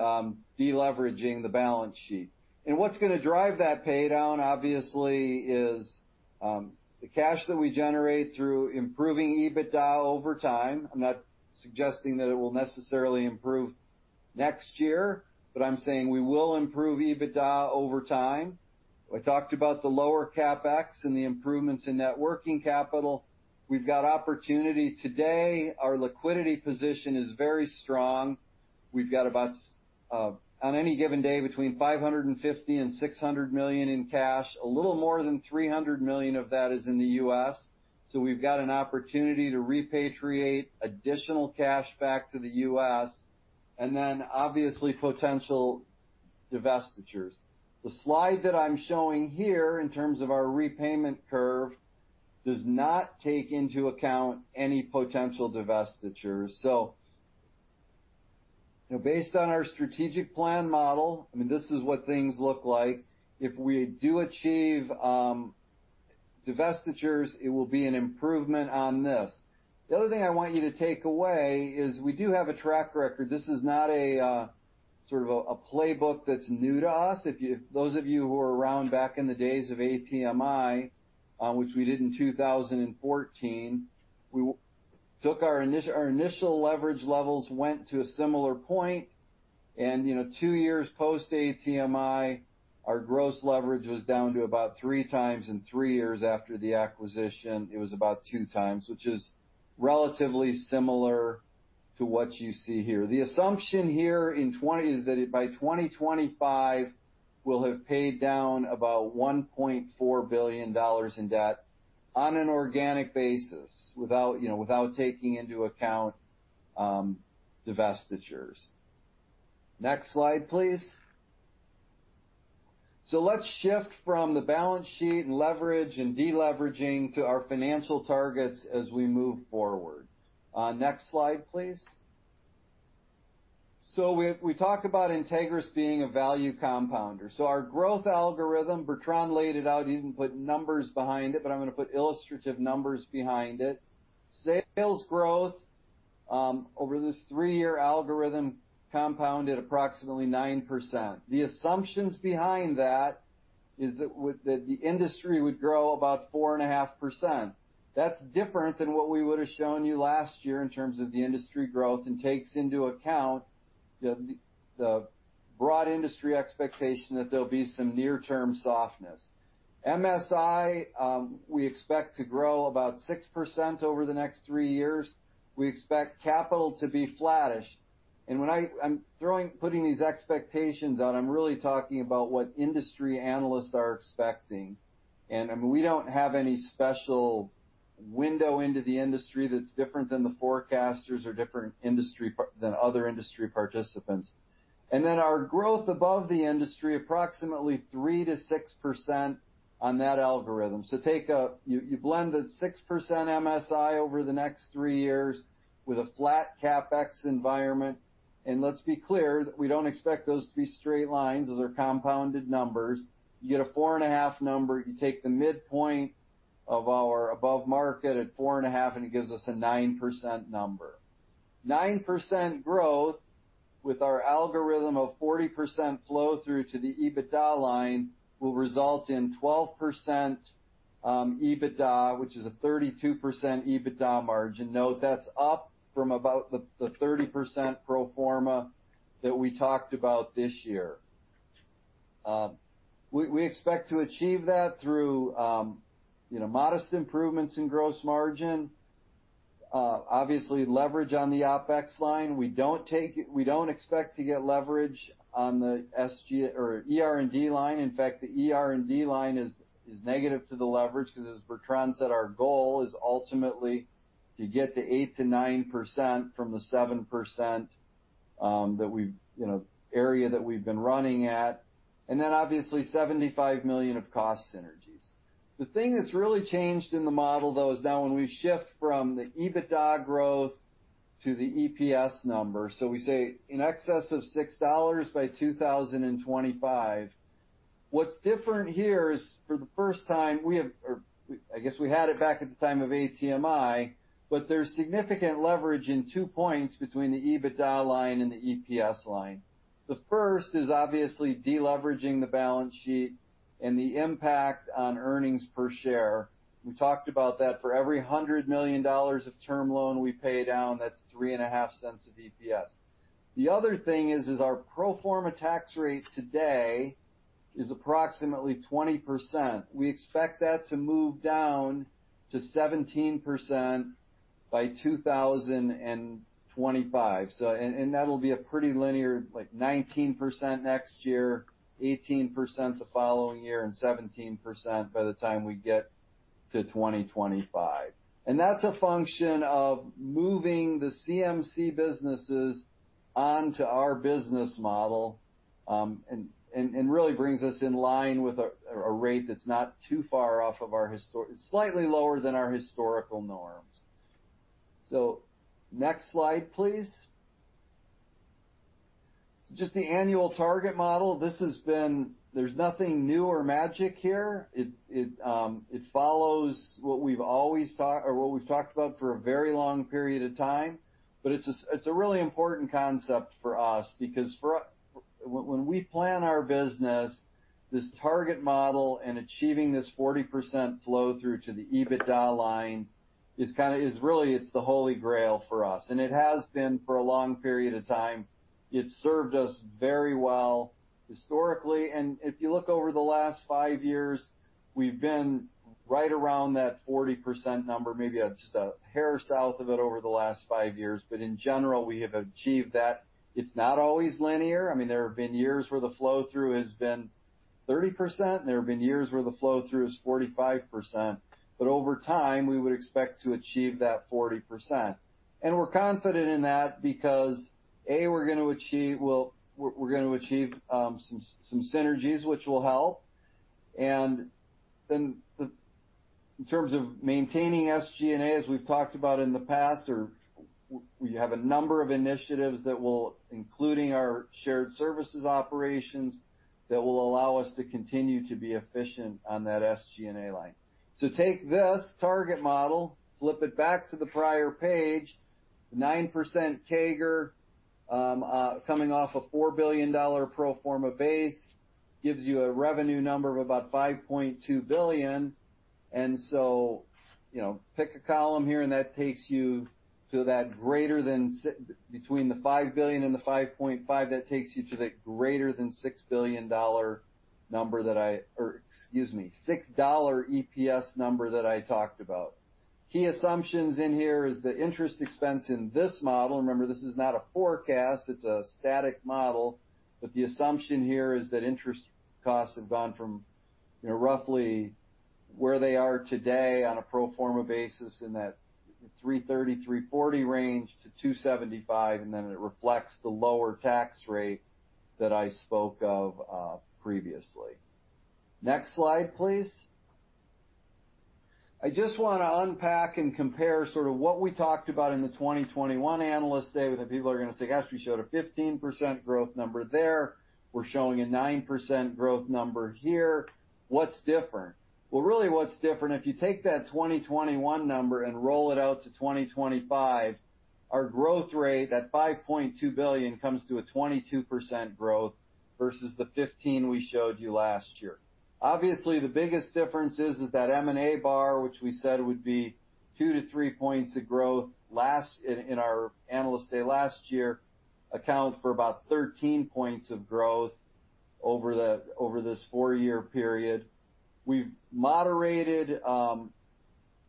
deleveraging the balance sheet. What's gonna drive that pay down, obviously, is the cash that we generate through improving EBITDA over time. I'm not suggesting that it will necessarily improve next year, but I'm saying we will improve EBITDA over time. I talked about the lower CapEx and the improvements in net working capital. We've got opportunity today. Our liquidity position is very strong. We've got about, on any given day, between $550 million and $600 million in cash. A little more than $300 million of that is in the U.S., so we've got an opportunity to repatriate additional cash back to the U.S, and then obviously potential divestitures. The slide that I'm showing here, in terms of our repayment curve, does not take into account any potential divestitures. You know, based on our strategic plan model, I mean, this is what things look like. If we do achieve divestitures, it will be an improvement on this. The other thing I want you to take away is we do have a track record. This is not a sort of playbook that's new to us. Those of you who were around back in the days of ATMI, which we did in 2014, our initial leverage levels went to a similar point. You know, two years post-ATMI, our gross leverage was down to about three times. Three years after the acquisition, it was about two times, which is relatively similar to what you see here. The assumption here in 2020 is that it by 2025, we'll have paid down about $1.4 billion in debt. On an organic basis without, you know, without taking into account, divestitures. Next slide, please. Let's shift from the balance sheet and leverage and de-leveraging to our financial targets as we move forward. Next slide, please. We talked about Entegris being a value compounder. Our growth algorithm, Bertrand laid it out. He didn't put numbers behind it, but I'm gonna put illustrative numbers behind it. Sales growth over this three-year algorithm compounded approximately 9%. The assumptions behind that is that with the the industry would grow about 4.5%. That's different than what we would've shown you last year in terms of the industry growth and takes into account the broad industry expectation that there'll be some near-term softness. MSI, we expect to grow about 6% over the next three years. We expect capital to be flattish. When I'm putting these expectations out, I'm really talking about what industry analysts are expecting. I mean, we don't have any special window into the industry that's different than the forecasters or different than other industry participants. Then our growth above the industry, approximately 3%-6% on that algorithm. You blend the 6% MSI over the next three years with a flat CapEx environment. Let's be clear that we don't expect those to be straight lines. Those are compounded numbers. You get a 4.5 number. You take the midpoint of our above market at 4.5, and it gives us a 9% number. 9% growth with our algorithm of 40% flow-through to the EBITDA line will result in 12% EBITDA, which is a 32% EBITDA margin. Note that's up from about the 30% pro forma that we talked about this year. We expect to achieve that through you know, modest improvements in gross margin, obviously leverage on the OpEx line. We don't expect to get leverage on the SG&A or R&D line. In fact, the R&D line is negative to the leverage 'cause as Bertrand said, our goal is ultimately to get to 8%-9% from the 7%, that we've, you know, in the area that we've been running at. Then obviously $75 million of cost synergies. The thing that's really changed in the model though is now when we shift from the EBITDA growth to the EPS number, so we say in excess of $6 by 2025. What's different here is for the first time we have or, I guess we had it back at the time of ATMI, but there's significant leverage in two points between the EBITDA line and the EPS line. The first is obviously de-leveraging the balance sheet and the impact on earnings per share. We talked about that for every $100 million of term loan we pay down, that's $0.035 of EPS. The other thing is our pro forma tax rate today is approximately 20%. We expect that to move down to 17% by 2025. That'll be a pretty linear, like 19% next year, 18% the following year, and 17% by the time we get to 2025. That's a function of moving the CMC businesses onto our business model and really brings us in line with a rate that's not too far off of our historical norms. Slightly lower than our historical norms. Next slide, please. Just the annual target model. There's nothing new or magic here. It follows what we've talked about for a very long period of time. It's a really important concept for us because when we plan our business, this target model and achieving this 40% flow-through to the EBITDA line is kinda really the holy grail for us. It has been for a long period of time. It's served us very well historically. If you look over the last five years, we've been right around that 40% number. Maybe just a hair south of it over the last five years. In general, we have achieved that. It's not always linear. I mean, there have been years where the flow-through has been 30%, and there have been years where the flow-through is 45%. Over time, we would expect to achieve that 40%. We're confident in that because, A, we're gonna achieve some synergies which will help. In terms of maintaining SG&A, as we've talked about in the past or we have a number of initiatives that will, including our shared services operations, that will allow us to continue to be efficient on that SG&A line. Take this target model, flip it back to the prior page, 9% CAGR coming off a $4 billion pro forma base gives you a revenue number of about $5.2 billion. You know, pick a column here, and that takes you to that greater than between the $5 billion and the $5.5 billion, that takes you to the greater than $6 billion number that I. Or excuse me, $6 EPS number that I talked about. Key assumptions in here is the interest expense in this model. Remember, this is not a forecast, it's a static model. The assumption here is that interest costs have gone from, you know, roughly where they are today on a pro forma basis in that 3.30%-3.40% range to 2.75%, and then it reflects the lower tax rate that I spoke of previously. Next slide, please. I just wanna unpack and compare sort of what we talked about in the 2021 Analyst Day, where the people are gonna say, "Gosh, we showed a 15% growth number there, we're showing a 9% growth number here. What's different?" Well, really what's different, if you take that 2021 number and roll it out to 2025, our growth rate, that $5.2 billion comes to a 22% growth versus the 15% we showed you last year. Obviously, the biggest difference is that M&A bar, which we said would be two to three points of growth last year in our Analyst Day last year, accounts for about 13 points of growth over the over this four year period. We've moderated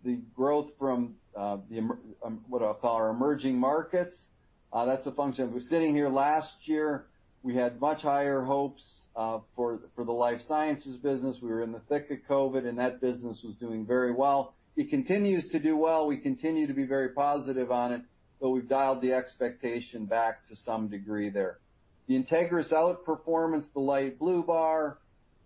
the growth from what I'll call our emerging markets. That's a function of where we were sitting last year. We had much higher hopes for the life sciences business. We were in the thick of COVID, and that business was doing very well. It continues to do well. We continue to be very positive on it, but we've dialed the expectation back to some degree there. The Entegris outperformance, the light blue bar,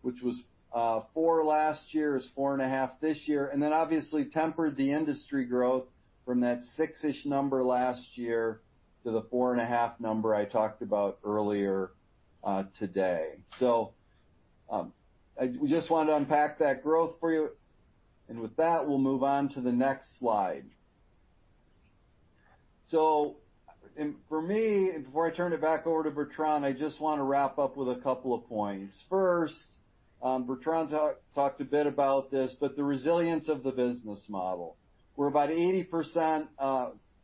which was 4% last year, is 4.5% this year, and then obviously tempered the industry growth from that 6%-ish number last year to the 4.5% number I talked about earlier today. We just wanted to unpack that growth for you. With that, we'll move on to the next slide. For me, before I turn it back over to Bertrand, I just wanna wrap up with a couple of points. First, Bertrand talked a bit about this, but the resilience of the business model. We're about 80%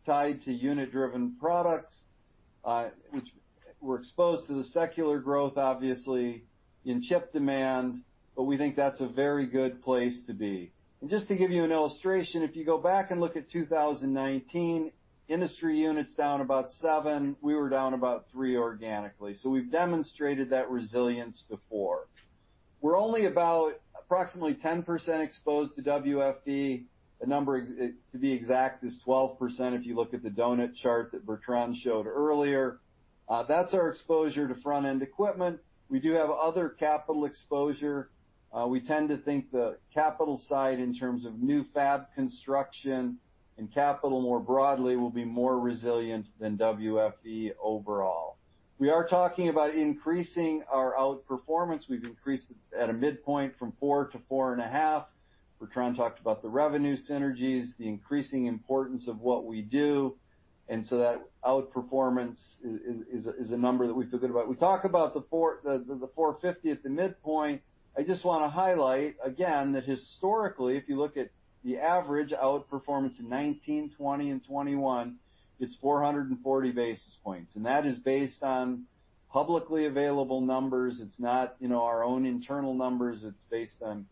tied to unit-driven products, which we're exposed to the secular growth, obviously, in chip demand, but we think that's a very good place to be. Just to give you an illustration, if you go back and look at 2019, industry units down about 7%, we were down about 3% organically. We've demonstrated that resilience before. We're only about approximately 10% exposed to WFE. The number to be exact is 12% if you look at the donut chart that Bertrand showed earlier. That's our exposure to front-end equipment. We do have other capital exposure. We tend to think the capital side in terms of new fab construction and capital more broadly will be more resilient than WFE overall. We are talking about increasing our outperformance. We've increased it at a midpoint from 4%-4.5%. Bertrand talked about the revenue synergies, the increasing importance of what we do, and so that outperformance is a number that we feel good about. We talk about the 450 at the midpoint. I just wanna highlight again that historically, if you look at the average outperformance in 2019, 2020 and 2021, it's 440 basis points. That is based on publicly available numbers. It's not, you know, our own internal numbers. It's based on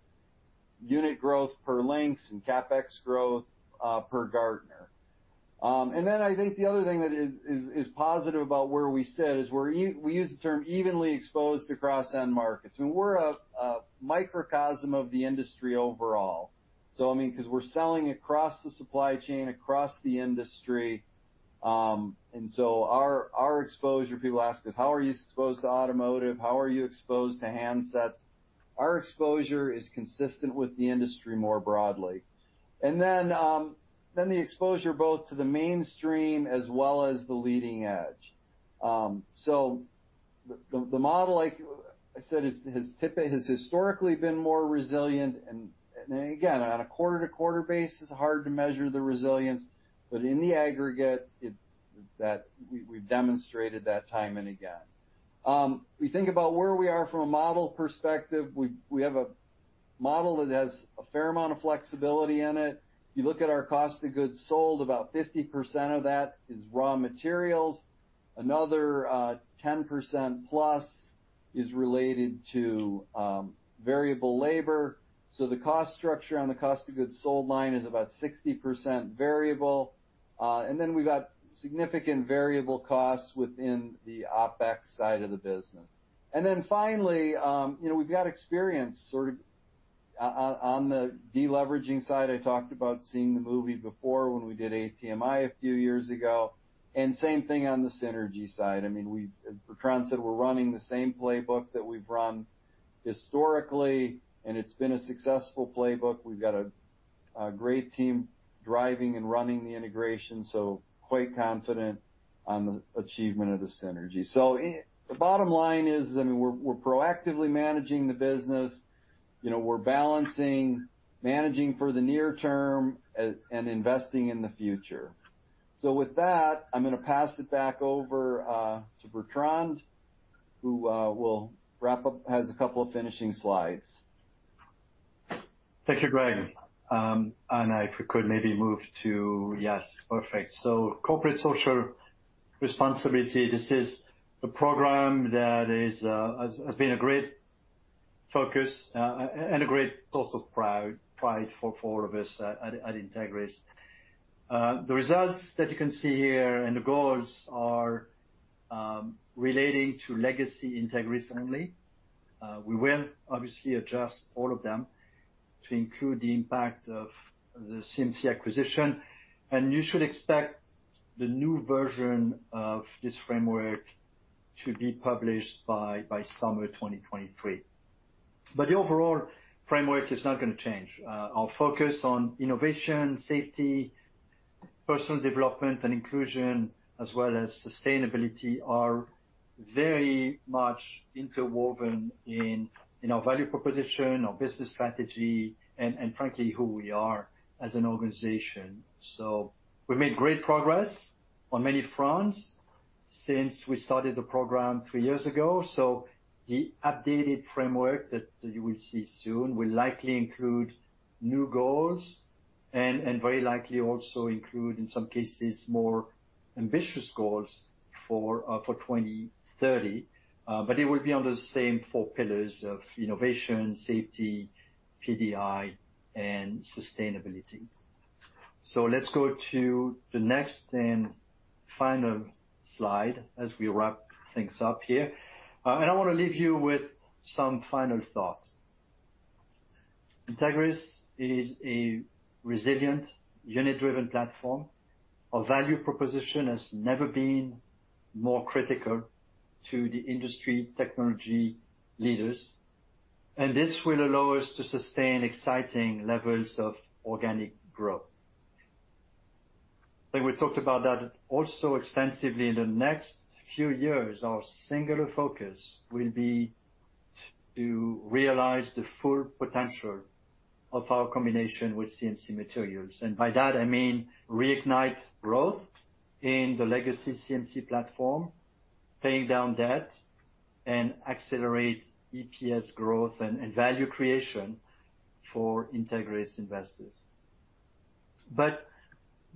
unit growth per lengths and CapEx growth per Gartner. I think the other thing that is positive about where we sit is we use the term evenly exposed across end markets, and we're a microcosm of the industry overall. I mean, 'cause we're selling across the supply chain, across the industry, and so our exposure, people ask us, "How are you exposed to automotive? How are you exposed to handsets?" Our exposure is consistent with the industry more broadly. The exposure both to the mainstream as well as the leading edge. The model, like I said, has historically been more resilient. Again, on a quarter-to-quarter basis, it's hard to measure the resilience, but in the aggregate, it's that we've demonstrated that time and again. We think about where we are from a model perspective. We have a model that has a fair amount of flexibility in it. You look at our cost of goods sold, about 50% of that is raw materials. Another, 10% plus is related to, variable labor. The cost structure on the cost of goods sold line is about 60% variable. We've got significant variable costs within the OpEx side of the business. Finally, you know, we've got experience sort of on the deleveraging side. I talked about seeing the movie before when we did ATMI a few years ago, and same thing on the synergy side. I mean, as Bertrand said, we're running the same playbook that we've run historically, and it's been a successful playbook. We've got a great team driving and running the integration, so quite confident on the achievement of the synergy. The bottom line is, I mean, we're proactively managing the business. You know, we're balancing managing for the near term and investing in the future. With that, I'm gonna pass it back over to Bertrand, who will wrap up, has a couple of finishing slides. Thank you, Greg. If we could maybe move to. Yes, perfect. Corporate social responsibility. This is a program that has been a great Focus, and a great source of pride for all of us at Entegris. The results that you can see here and the goals are relating to legacy Entegris only. We will obviously adjust all of them to include the impact of the CMC acquisition, and you should expect the new version of this framework to be published by summer 2023. The overall framework is not gonna change. Our focus on innovation, safety, personal development and inclusion, as well as sustainability, are very much interwoven in our value proposition, our business strategy, and frankly, who we are as an organization. We've made great progress on many fronts since we started the program three years ago. The updated framework that you will see soon will likely include new goals and very likely also include, in some cases, more ambitious goals for 2030. It will be on the same four pillars of innovation, safety, PD&I, and sustainability. Let's go to the next and final slide as we wrap things up here. I wanna leave you with some final thoughts. Entegris is a resilient unit-driven platform. Our value proposition has never been more critical to the industry technology leaders, and this will allow us to sustain exciting levels of organic growth. I think we talked about that also extensively. In the next few years, our singular focus will be to realize the full potential of our combination with CMC Materials, and by that I mean reignite growth in the legacy CMC platform, paying down debt, and accelerate EPS growth and value creation for Entegris investors.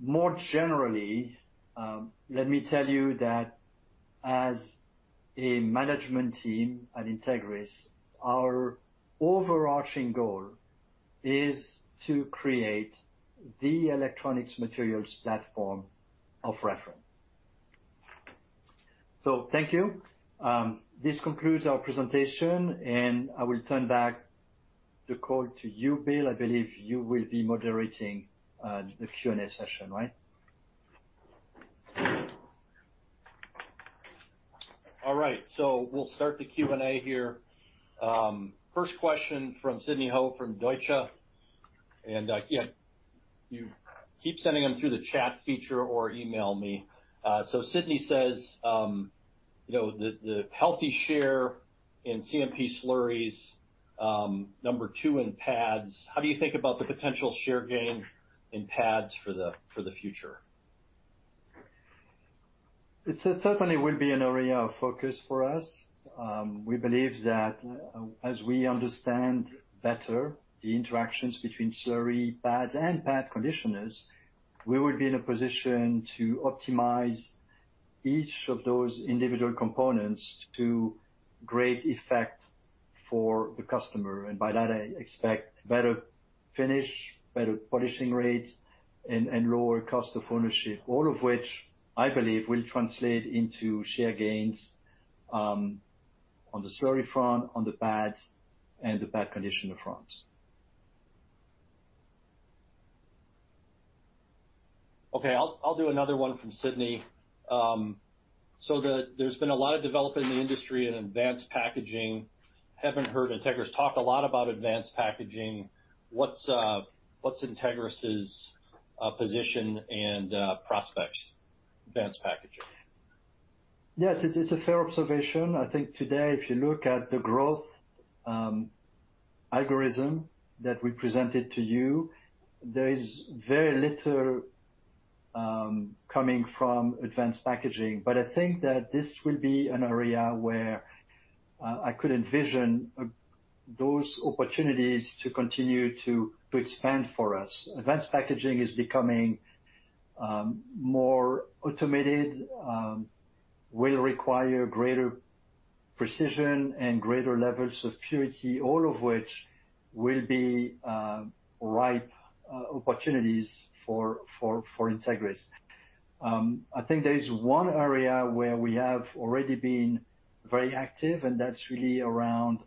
More generally, let me tell you that as a management team at Entegris, our overarching goal is to create the electronics materials platform of reference. Thank you. This concludes our presentation, and I will turn back the call to you, Bill. I believe you will be moderating the Q&A session, right? All right, we'll start the Q&A here. First question from Sidney Ho from Deutsche Bank, and again, you keep sending them through the chat feature or email me. Sidney says, you know, the healthy share in CMP slurries, number two in pads, how do you think about the potential share gain in pads for the future? It certainly will be an area of focus for us. We believe that as we understand better the interactions between slurry pads and pad conditioners, we will be in a position to optimize each of those individual components to great effect for the customer. By that, I expect better finish, better polishing rates, and lower cost of ownership. All of which, I believe, will translate into share gains on the slurry front, on the pads, and the pad conditioner fronts. Okay, I'll do another one from Sidney. There's been a lot of development in the industry in advanced packaging. Haven't heard Entegris talk a lot about advanced packaging. What's Entegris's position and prospects, advanced packaging? Yes, it is a fair observation. I think today, if you look at the growth algorithm that we presented to you, there is very little coming from advanced packaging. I think that this will be an area where I could envision those opportunities to continue to expand for us. Advanced packaging is becoming more automated, will require greater precision and greater levels of purity, all of which will be ripe opportunities for Entegris. I think there is one area where we have already been very active, and that's really around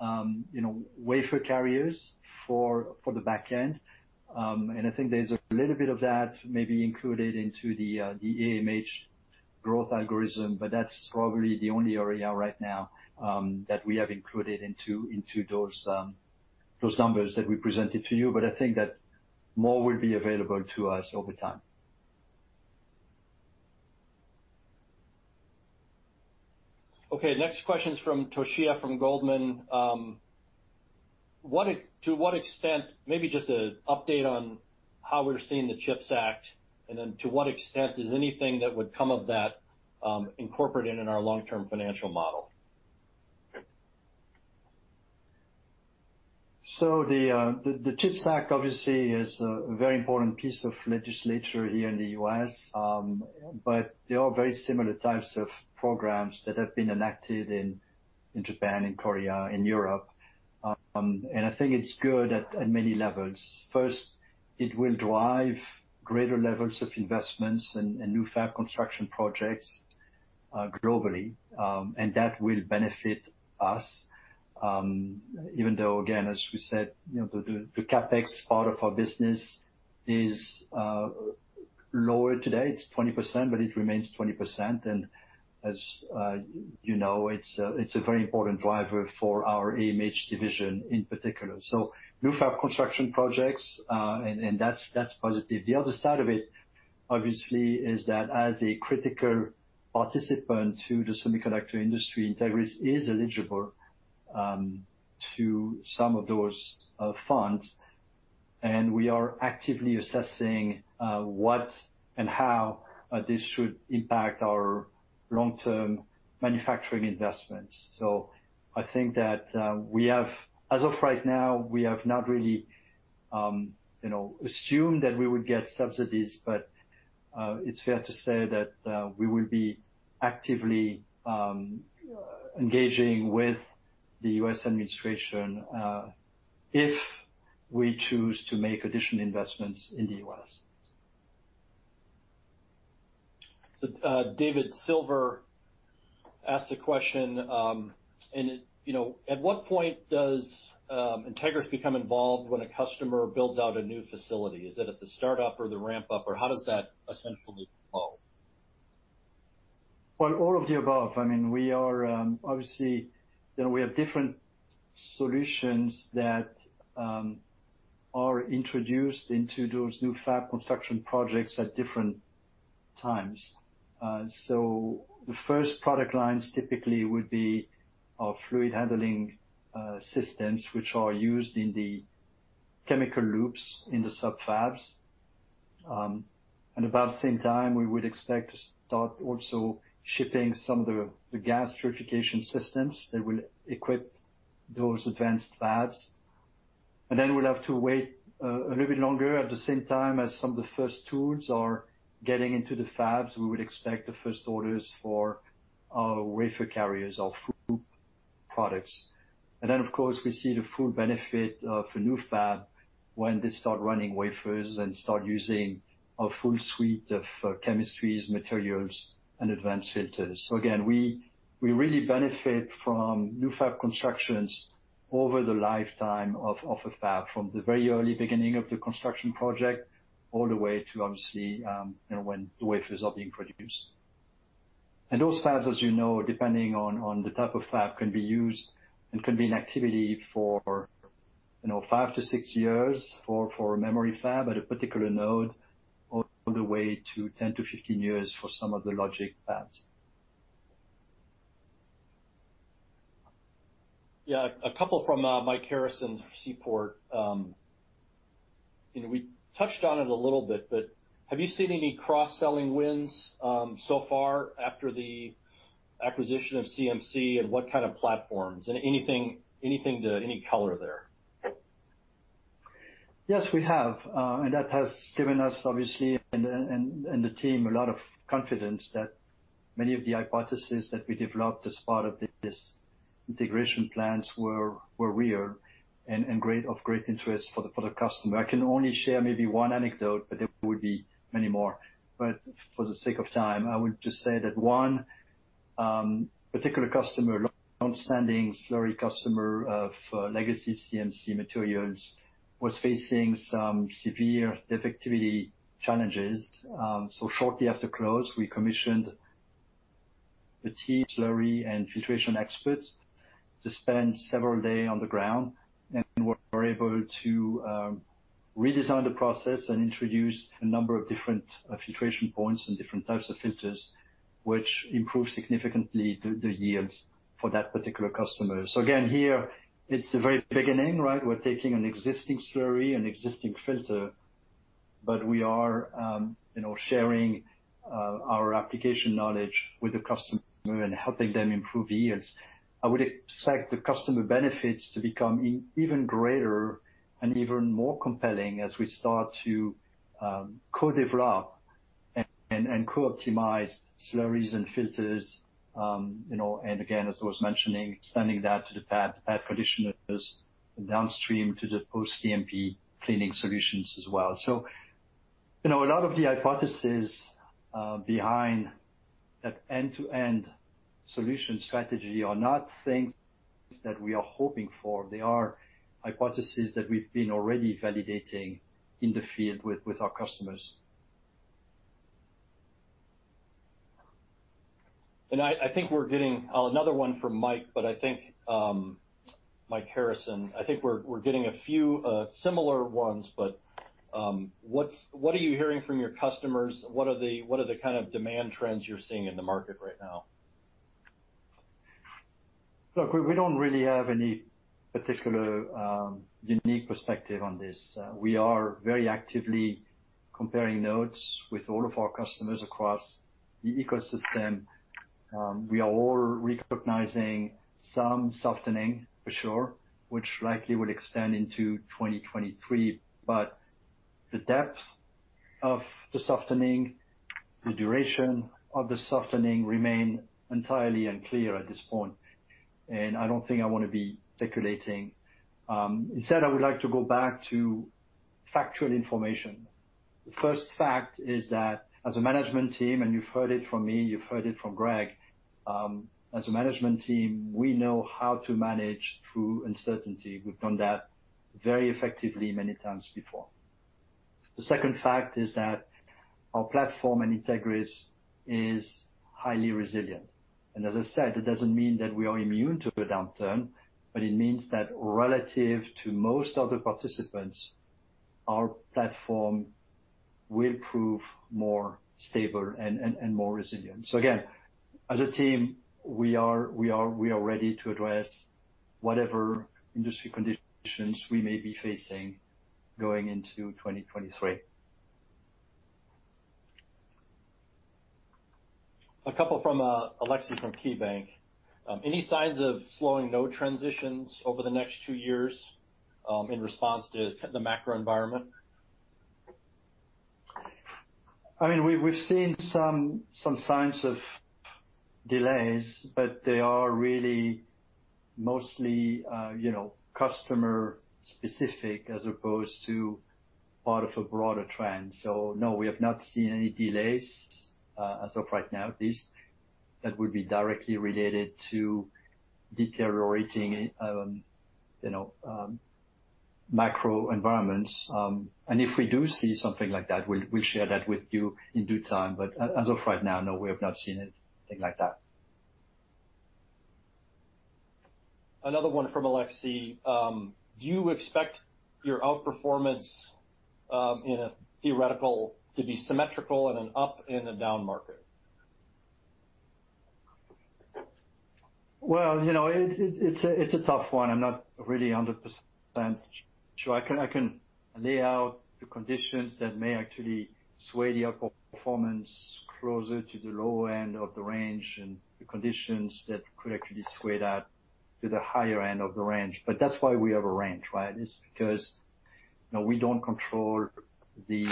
you know, wafer carriers for the back end. I think there's a little bit of that maybe included into the AMH growth algorithm, but that's probably the only area right now that we have included into those numbers that we presented to you. I think that more will be available to us over time. Okay, next question is from Toshiya from Goldman. To what extent, maybe just a update on how we're seeing the CHIPS Act, and then to what extent is anything that would come of that incorporated in our long-term financial model? The CHIPS Act obviously is a very important piece of legislation here in the U.S. But there are very similar types of programs that have been enacted in Japan and Korea and Europe. I think it's good at many levels. First, it will drive greater levels of investments and new fab construction projects globally. That will benefit us, even though, again, as we said, you know, the CapEx part of our business is lower today. It's 20%, but it remains 20%. As you know, it's a very important driver for our AMH division in particular. New fab construction projects and that's positive. The other side of it, obviously, is that as a critical participant to the semiconductor industry, Entegris is eligible to some of those funds, and we are actively assessing what and how this should impact our long-term manufacturing investments. I think that as of right now, we have not really, you know, assumed that we would get subsidies, but it's fair to say that we will be actively engaging with the U.S. administration if we choose to make additional investments in the U.S. David Silver asked a question. You know, at what point does Entegris become involved when a customer builds out a new facility? Is it at the start-up or the ramp-up, or how does that essentially flow? Well, all of the above. I mean, we are obviously, you know, we have different solutions that are introduced into those new fab construction projects at different times. The first product lines typically would be our fluid handling systems, which are used in the chemical loops in the sub-fabs. About the same time, we would expect to start also shipping some of the gas purification systems that will equip those advanced fabs. We'd have to wait a little bit longer. At the same time as some of the first tools are getting into the fabs, we would expect the first orders for our wafer carriers, our FOUP products. Of course, we see the full benefit of a new fab when they start running wafers and start using our full suite of chemistries, materials, and advanced filters. Again, we really benefit from new fab constructions over the lifetime of a fab, from the very early beginning of the construction project all the way to obviously, you know, when the wafers are being produced. Those fabs, as you know, depending on the type of fab, can be used and can be in activity for, you know, five to six years for a memory fab at a particular node, all the way to 10-15 years for some of the logic fabs. Yeah. A couple from Mike Harrison, Seaport. You know, we touched on it a little bit, but have you seen any cross-selling wins so far after the acquisition of CMC, and what kind of platforms? Anything to any color there? Yes, we have. That has given us obviously and the team a lot of confidence that many of the hypotheses that we developed as part of this integration plans were real and of great interest for the customer. I can only share maybe one anecdote, but there would be many more. For the sake of time, I would just say that one particular customer, longstanding slurry customer of legacy CMC Materials, was facing some severe defectivity challenges. Shortly after close, we commissioned the slurry and filtration experts to spend several days on the ground, and we were able to redesign the process and introduce a number of different filtration points and different types of filters, which improved significantly the yields for that particular customer. Again, here it's the very beginning, right? We're taking an existing slurry and existing filter, but we are, you know, sharing our application knowledge with the customer and helping them improve yields. I would expect the customer benefits to become even greater and even more compelling as we start to co-develop and co-optimize slurries and filters, you know. Again, as I was mentioning, extending that to the fab conditioners downstream to the post-CMP cleaning solutions as well. You know, a lot of the hypothesis behind that end-to-end solution strategy are not things that we are hoping for. They are hypothesis that we've been already validating in the field with our customers. I think we're getting another one from Mike, but I think Mike Harrison. I think we're getting a few similar ones, but what are you hearing from your customers? What are the kind of demand trends you're seeing in the market right now? Look, we don't really have any particular unique perspective on this. We are very actively comparing notes with all of our customers across the ecosystem. We are all recognizing some softening for sure, which likely will extend into 2023. The depth of the softening, the duration of the softening remain entirely unclear at this point, and I don't think I want to be speculating. Instead, I would like to go back to factual information. The first fact is that as a management team, and you've heard it from me, you've heard it from Greg, as a management team, we know how to manage through uncertainty. We've done that very effectively many times before. The second fact is that our platform and Entegris is highly resilient. As I said, it doesn't mean that we are immune to a downturn, but it means that relative to most other participants, our platform will prove more stable and more resilient. Again, as a team, we are ready to address whatever industry conditions we may be facing going into 2023. A question from Aleksey Yefremov from KeyBanc. Any signs of slowing node transitions over the next two years in response to the macro environment? I mean, we've seen some signs of delays, but they are really mostly, you know, customer specific as opposed to part of a broader trend. No, we have not seen any delays as of right now, at least, that would be directly related to deteriorating, you know, macro environments. If we do see something like that, we'll share that with you in due time. As of right now, no, we have not seen anything like that. Another one from Aleksey. Do you expect your outperformance in a theoretical to be symmetrical in an up and a down market? Well, you know, it's a tough one. I'm not really 100% sure. I can lay out the conditions that may actually sway the outperformance closer to the lower end of the range and the conditions that could actually sway that to the higher end of the range. That's why we have a range, right? It's because, you know, we don't control the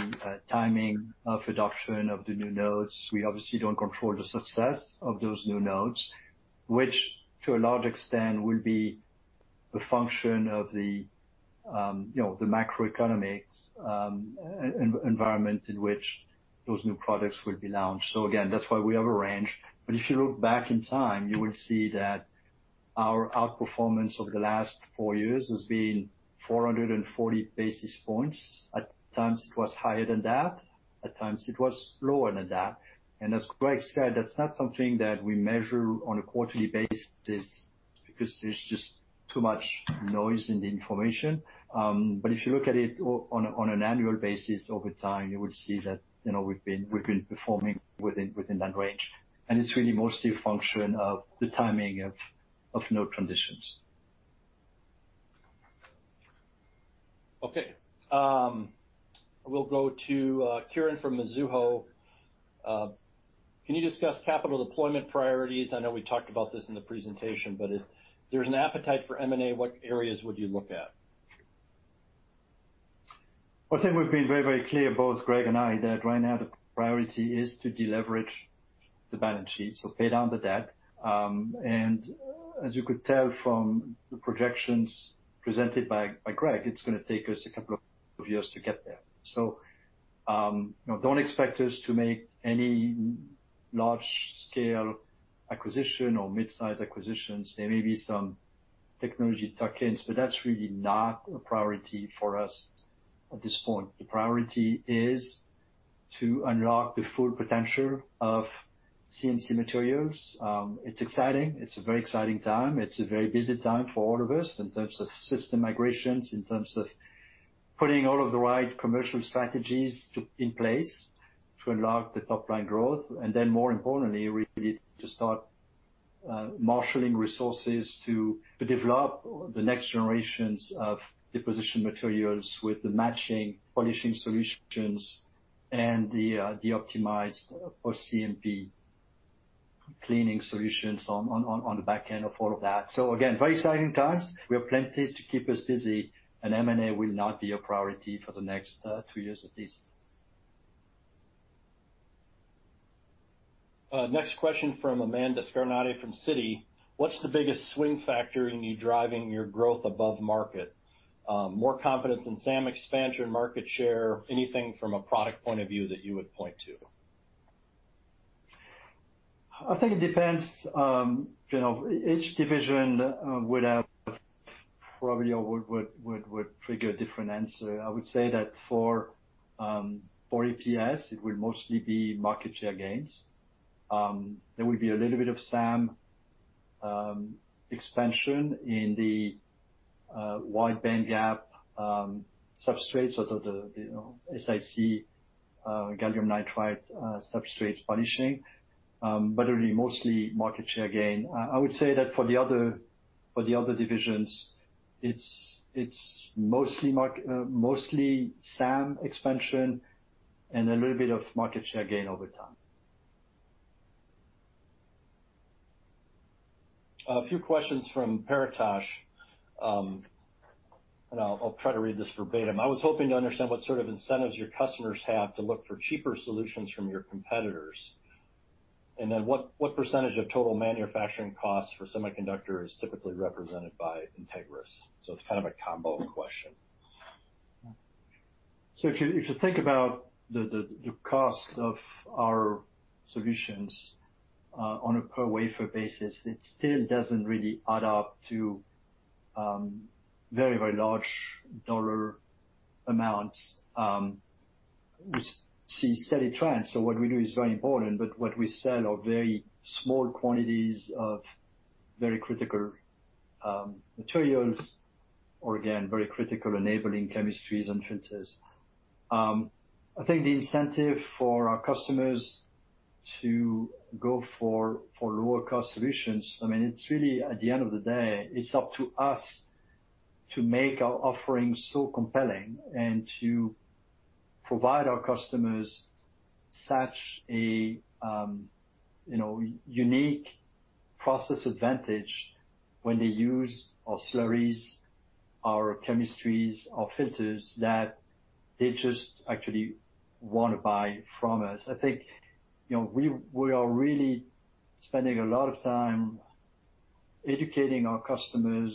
timing of adoption of the new nodes. We obviously don't control the success of those new nodes, which to a large extent will be a function of the, you know, the macroeconomic environment in which those new products will be launched. Again, that's why we have a range. If you look back in time, you would see that our outperformance over the last four years has been 440 basis points. At times it was higher than that, at times it was lower than that. As Greg said, that's not something that we measure on a quarterly basis because there's just too much noise in the information. If you look at it on an annual basis over time, you would see that, you know, we've been performing within that range. It's really mostly a function of the timing of node transitions. Okay. We'll go to Kieran from Mizuho. Can you discuss capital deployment priorities? I know we talked about this in the presentation, but if there's an appetite for M&A, what areas would you look at? I think we've been very, very clear, both Greg and I, that right now the priority is to deleverage the balance sheet, so pay down the debt. As you could tell from the projections presented by Greg, it's gonna take us a couple of years to get there. You know, don't expect us to make any large scale acquisition or mid-size acquisitions. There may be some technology tuck-ins, but that's really not a priority for us at this point. The priority is to unlock the full potential of CMC Materials. It's exciting. It's a very exciting time. It's a very busy time for all of us in terms of system migrations, in terms of putting all of the right commercial strategies in place to unlock the top line growth, and then more importantly, really to start marshaling resources to develop the next generations of deposition materials with the matching polishing solutions and the optimized for CMP cleaning solutions on the back end of all of that. Again, very exciting times. We have plenty to keep us busy, and M&A will not be a priority for the next two years at least. Next question from Amanda Scarnati from Citi. What's the biggest swing factor in your driving your growth above market? More confidence in SAM expansion, market share, anything from a product point of view that you would point to? I think it depends, you know, each division would have probably or would trigger a different answer. I would say that for APS, it would mostly be market share gains. There would be a little bit of SAM expansion in the wide bandgap substrates, so the you know SiC, gallium nitride substrates polishing, but really mostly market share gain. I would say that for the other divisions, it's mostly SAM expansion. A little bit of market share gain over time. A few questions from Paretosh. I'll try to read this verbatim. "I was hoping to understand what sort of incentives your customers have to look for cheaper solutions from your competitors. And then what percentage of total manufacturing costs for semiconductors typically represented by Entegris?" It's kind of a combo question. If you think about the cost of our solutions on a per wafer basis, it still doesn't really add up to very large dollar amounts. We see steady trends, so what we do is very important, but what we sell are very small quantities of very critical materials, or again, very critical enabling chemistries and filters. I think the incentive for our customers to go for lower cost solutions, I mean, it's really at the end of the day, it's up to us to make our offerings so compelling and to provide our customers such a, you know, unique process advantage when they use our slurries, our chemistries, our filters that they just actually wanna buy from us. I think, you know, we are really spending a lot of time educating our customers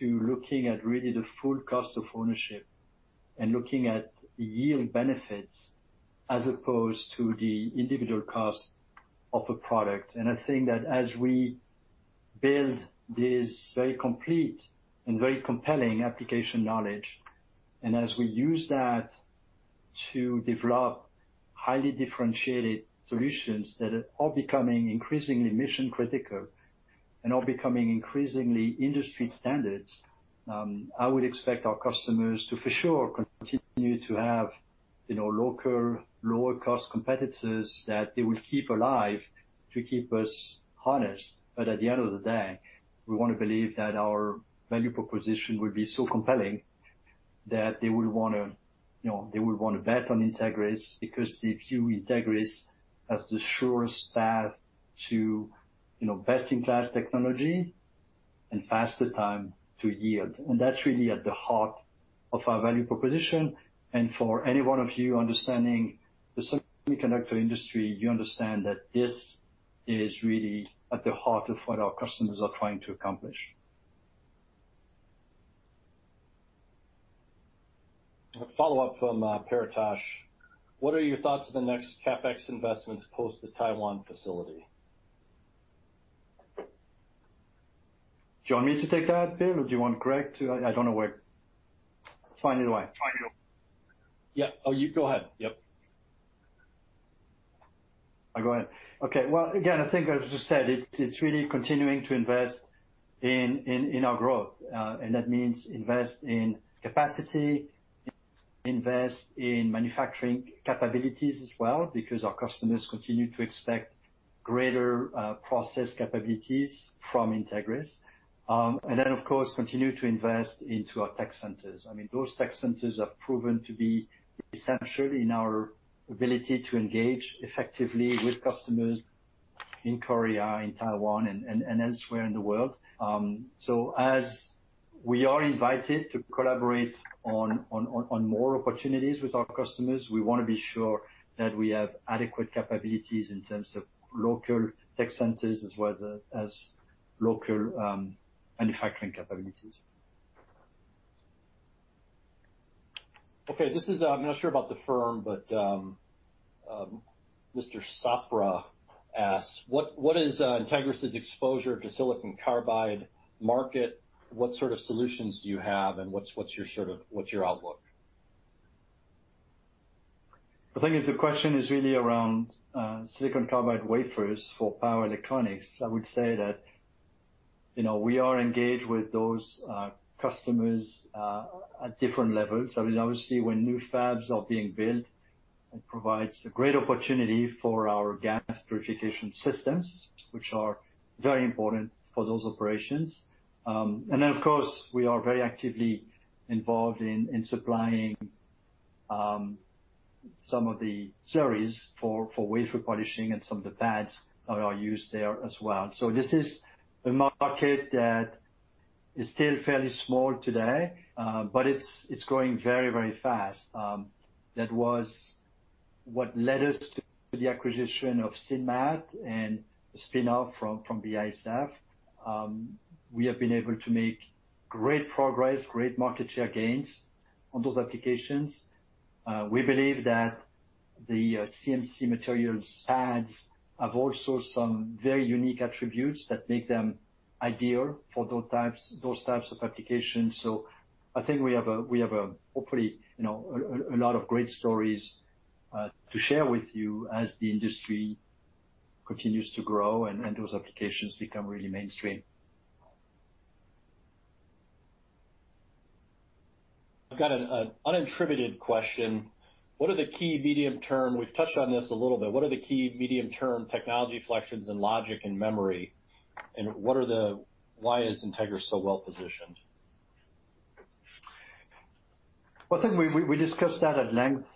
to looking at really the full cost of ownership and looking at the yield benefits as opposed to the individual cost of a product. I think that as we build this very complete and very compelling application knowledge, and as we use that to develop highly differentiated solutions that are all becoming increasingly mission critical and are becoming increasingly industry standards, I would expect our customers to for sure continue to have, you know, local lower cost competitors that they will keep alive to keep us honest. At the end of the day, we want to believe that our value proposition will be so compelling that they will wanna, you know, they will want to bet on Entegris, because they view Entegris as the surest path to, you know, best in class technology and faster time to yield. That's really at the heart of our value proposition. For any one of you understanding the semiconductor industry, you understand that this is really at the heart of what our customers are trying to accomplish. A follow-up from, Paretosh Misra. "What are your thoughts on the next CapEx investments post the Taiwan facility? Do you want me to take that, Bill, or do you want Greg to? I don't know. It's fine either way. Yeah. Oh, you go ahead. Yep. Well, again, I think I just said it's really continuing to invest in our growth. That means invest in capacity, invest in manufacturing capabilities as well, because our customers continue to expect greater process capabilities from Entegris. Of course, continue to invest into our tech centers. I mean, those tech centers have proven to be essential in our ability to engage effectively with customers in Korea, in Taiwan, and elsewhere in the world. As we are invited to collaborate on more opportunities with our customers, we wanna be sure that we have adequate capabilities in terms of local tech centers as well as local manufacturing capabilities. Okay, this is, I'm not sure about the firm, but Mr. Sapra asks, "What is Entegris' exposure to silicon carbide market? What sort of solutions do you have, and what's your sort of outlook? I think if the question is really around silicon carbide wafers for power electronics, I would say that, you know, we are engaged with those customers at different levels. I mean, obviously, when new fabs are being built, it provides a great opportunity for our gas purification systems, which are very important for those operations. And then of course, we are very actively involved in supplying some of the slurries for wafer polishing and some of the pads that are used there as well. This is a market that is still fairly small today, but it's growing very, very fast. That was what led us to the acquisition of Sinmat and the spin-off from Viasep. We have been able to make great progress, great market share gains on those applications. We believe that the CMC Materials pads have also some very unique attributes that make them ideal for those types of applications. I think we have a hopefully you know a lot of great stories to share with you as the industry continues to grow and those applications become really mainstream. I've got an unattributed question. We've touched on this a little bit. What are the key medium-term technology inflections in logic and memory, and why is Entegris so well-positioned? Well, I think we discussed that at length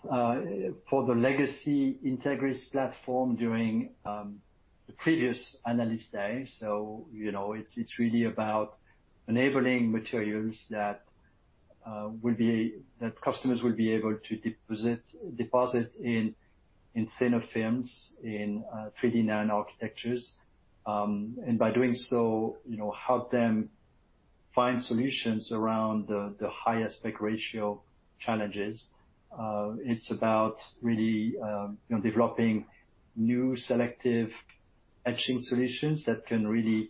for the legacy Entegris platform during the previous analyst day. You know, it's really about enabling materials that customers will be able to deposit in thinner films in 3D NAND architectures. By doing so, you know, help them find solutions around the highest aspect ratio challenges. It's about really developing new selective etching solutions that can really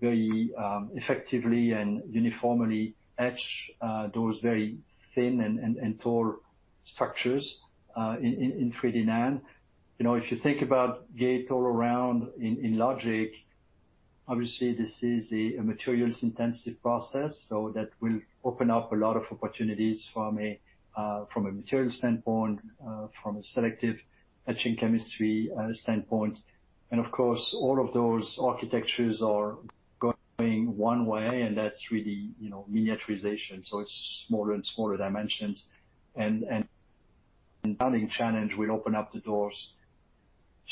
very effectively and uniformly etch those very thin and tall structures in 3D NAND. You know, if you think about gate-all-around in logic, obviously this is a materials intensive process. That will open up a lot of opportunities from a material standpoint from a selective etching chemistry standpoint. Of course, all of those architectures are going one way, and that's really, you know, miniaturization, so it's smaller and smaller dimensions. Another challenge will open up the doors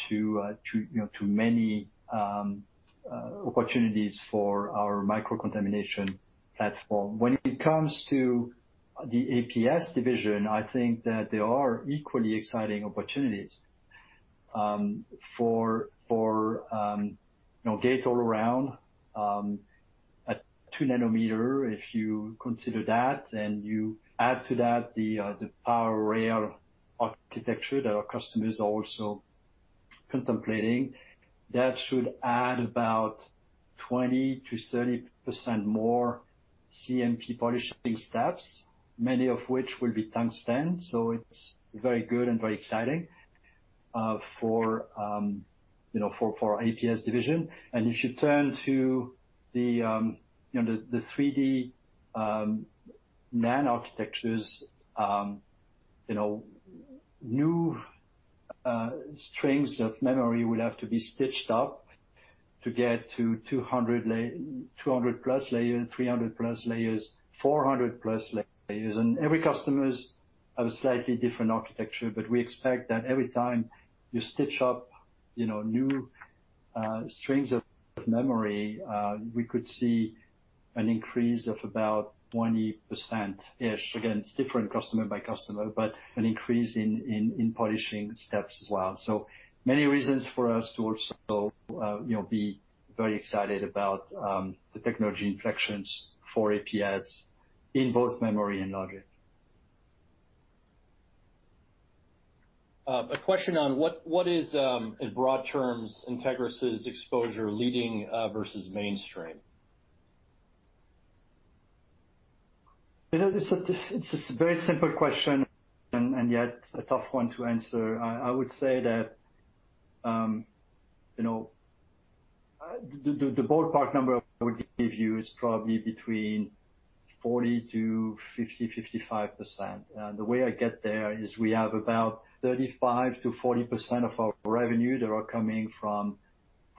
to, you know, to many opportunities for our microcontamination platform. When it comes to the APS division, I think that there are equally exciting opportunities, for, you know, gate-all-around, at two nanometer, if you consider that, and you add to that the power rail architecture that our customers are also contemplating, that should add about 20%-30% more CMP polishing steps, many of which will be tungsten. It's very good and very exciting for our APS division. If you turn to the, you know, the 3D NAND architectures, you know, new strings of memory will have to be stitched up to get to 200+ layers, 300+ layers, 400+ layers. Every customers have a slightly different architecture, but we expect that every time you stitch up, you know, new strings of memory, we could see an increase of about 20%-ish. Again, it's different customer by customer, but an increase in polishing steps as well. Many reasons for us to also, you know, be very excited about the technology inflections for APS in both memory and logic. A question on what is, in broad terms, Entegris' exposure leading versus mainstream? You know, this is a very simple question and yet a tough one to answer. I would say that, you know, the ballpark number I would give you is probably between 40% to 50%, 55%. The way I get there is we have about 35%-40% of our revenue that are coming from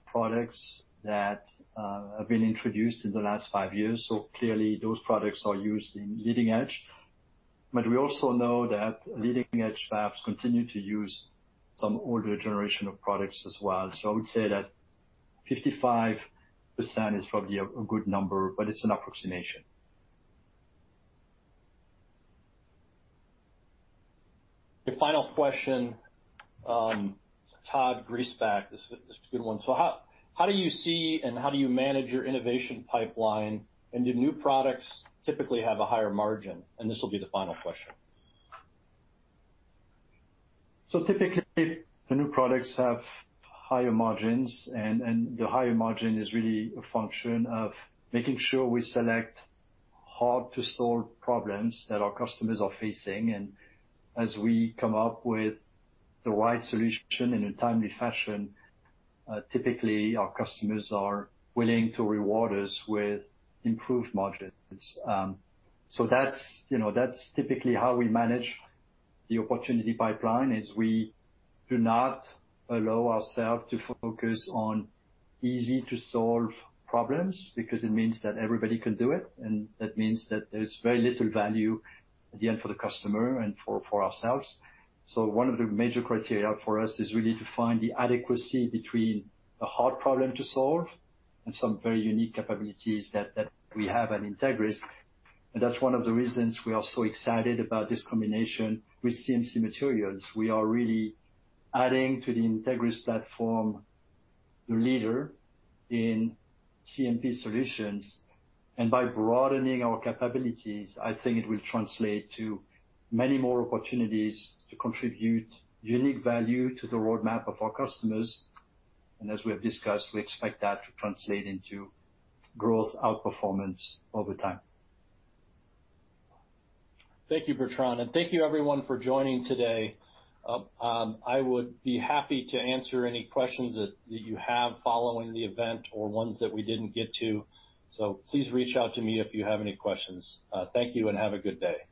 products that have been introduced in the last 5 years. Clearly those products are used in leading edge. We also know that leading edge fabs continue to use some older generation of products as well. I would say that 55% is probably a good number, but it's an approximation. The final question, Todd Edlund. This is a good one. How do you see and how do you manage your innovation PIM? Do new products typically have a higher margin? This will be the final question. Typically, the new products have higher margins, and the higher margin is really a function of making sure we select hard-to-solve problems that our customers are facing. As we come up with the right solution in a timely fashion, typically our customers are willing to reward us with improved margins. That's, you know, that's typically how we manage the opportunity PIM, is we do not allow ourself to focus on easy-to-solve problems because it means that everybody can do it, and that means that there's very little value at the end for the customer and for ourselves. One of the major criteria for us is really to find the adequacy between a hard problem to solve and some very unique capabilities that we have at Entegris. That's one of the reasons we are so excited about this combination with CMC Materials. We are really adding to the Entegris platform, the leader in CMP solutions. By broadening our capabilities, I think it will translate to many more opportunities to contribute unique value to the roadmap of our customers. As we have discussed, we expect that to translate into growth outperformance over time. Thank you, Bertrand, and thank you everyone for joining today. I would be happy to answer any questions that you have following the event or ones that we didn't get to. Please reach out to me if you have any questions. Thank you and have a good day.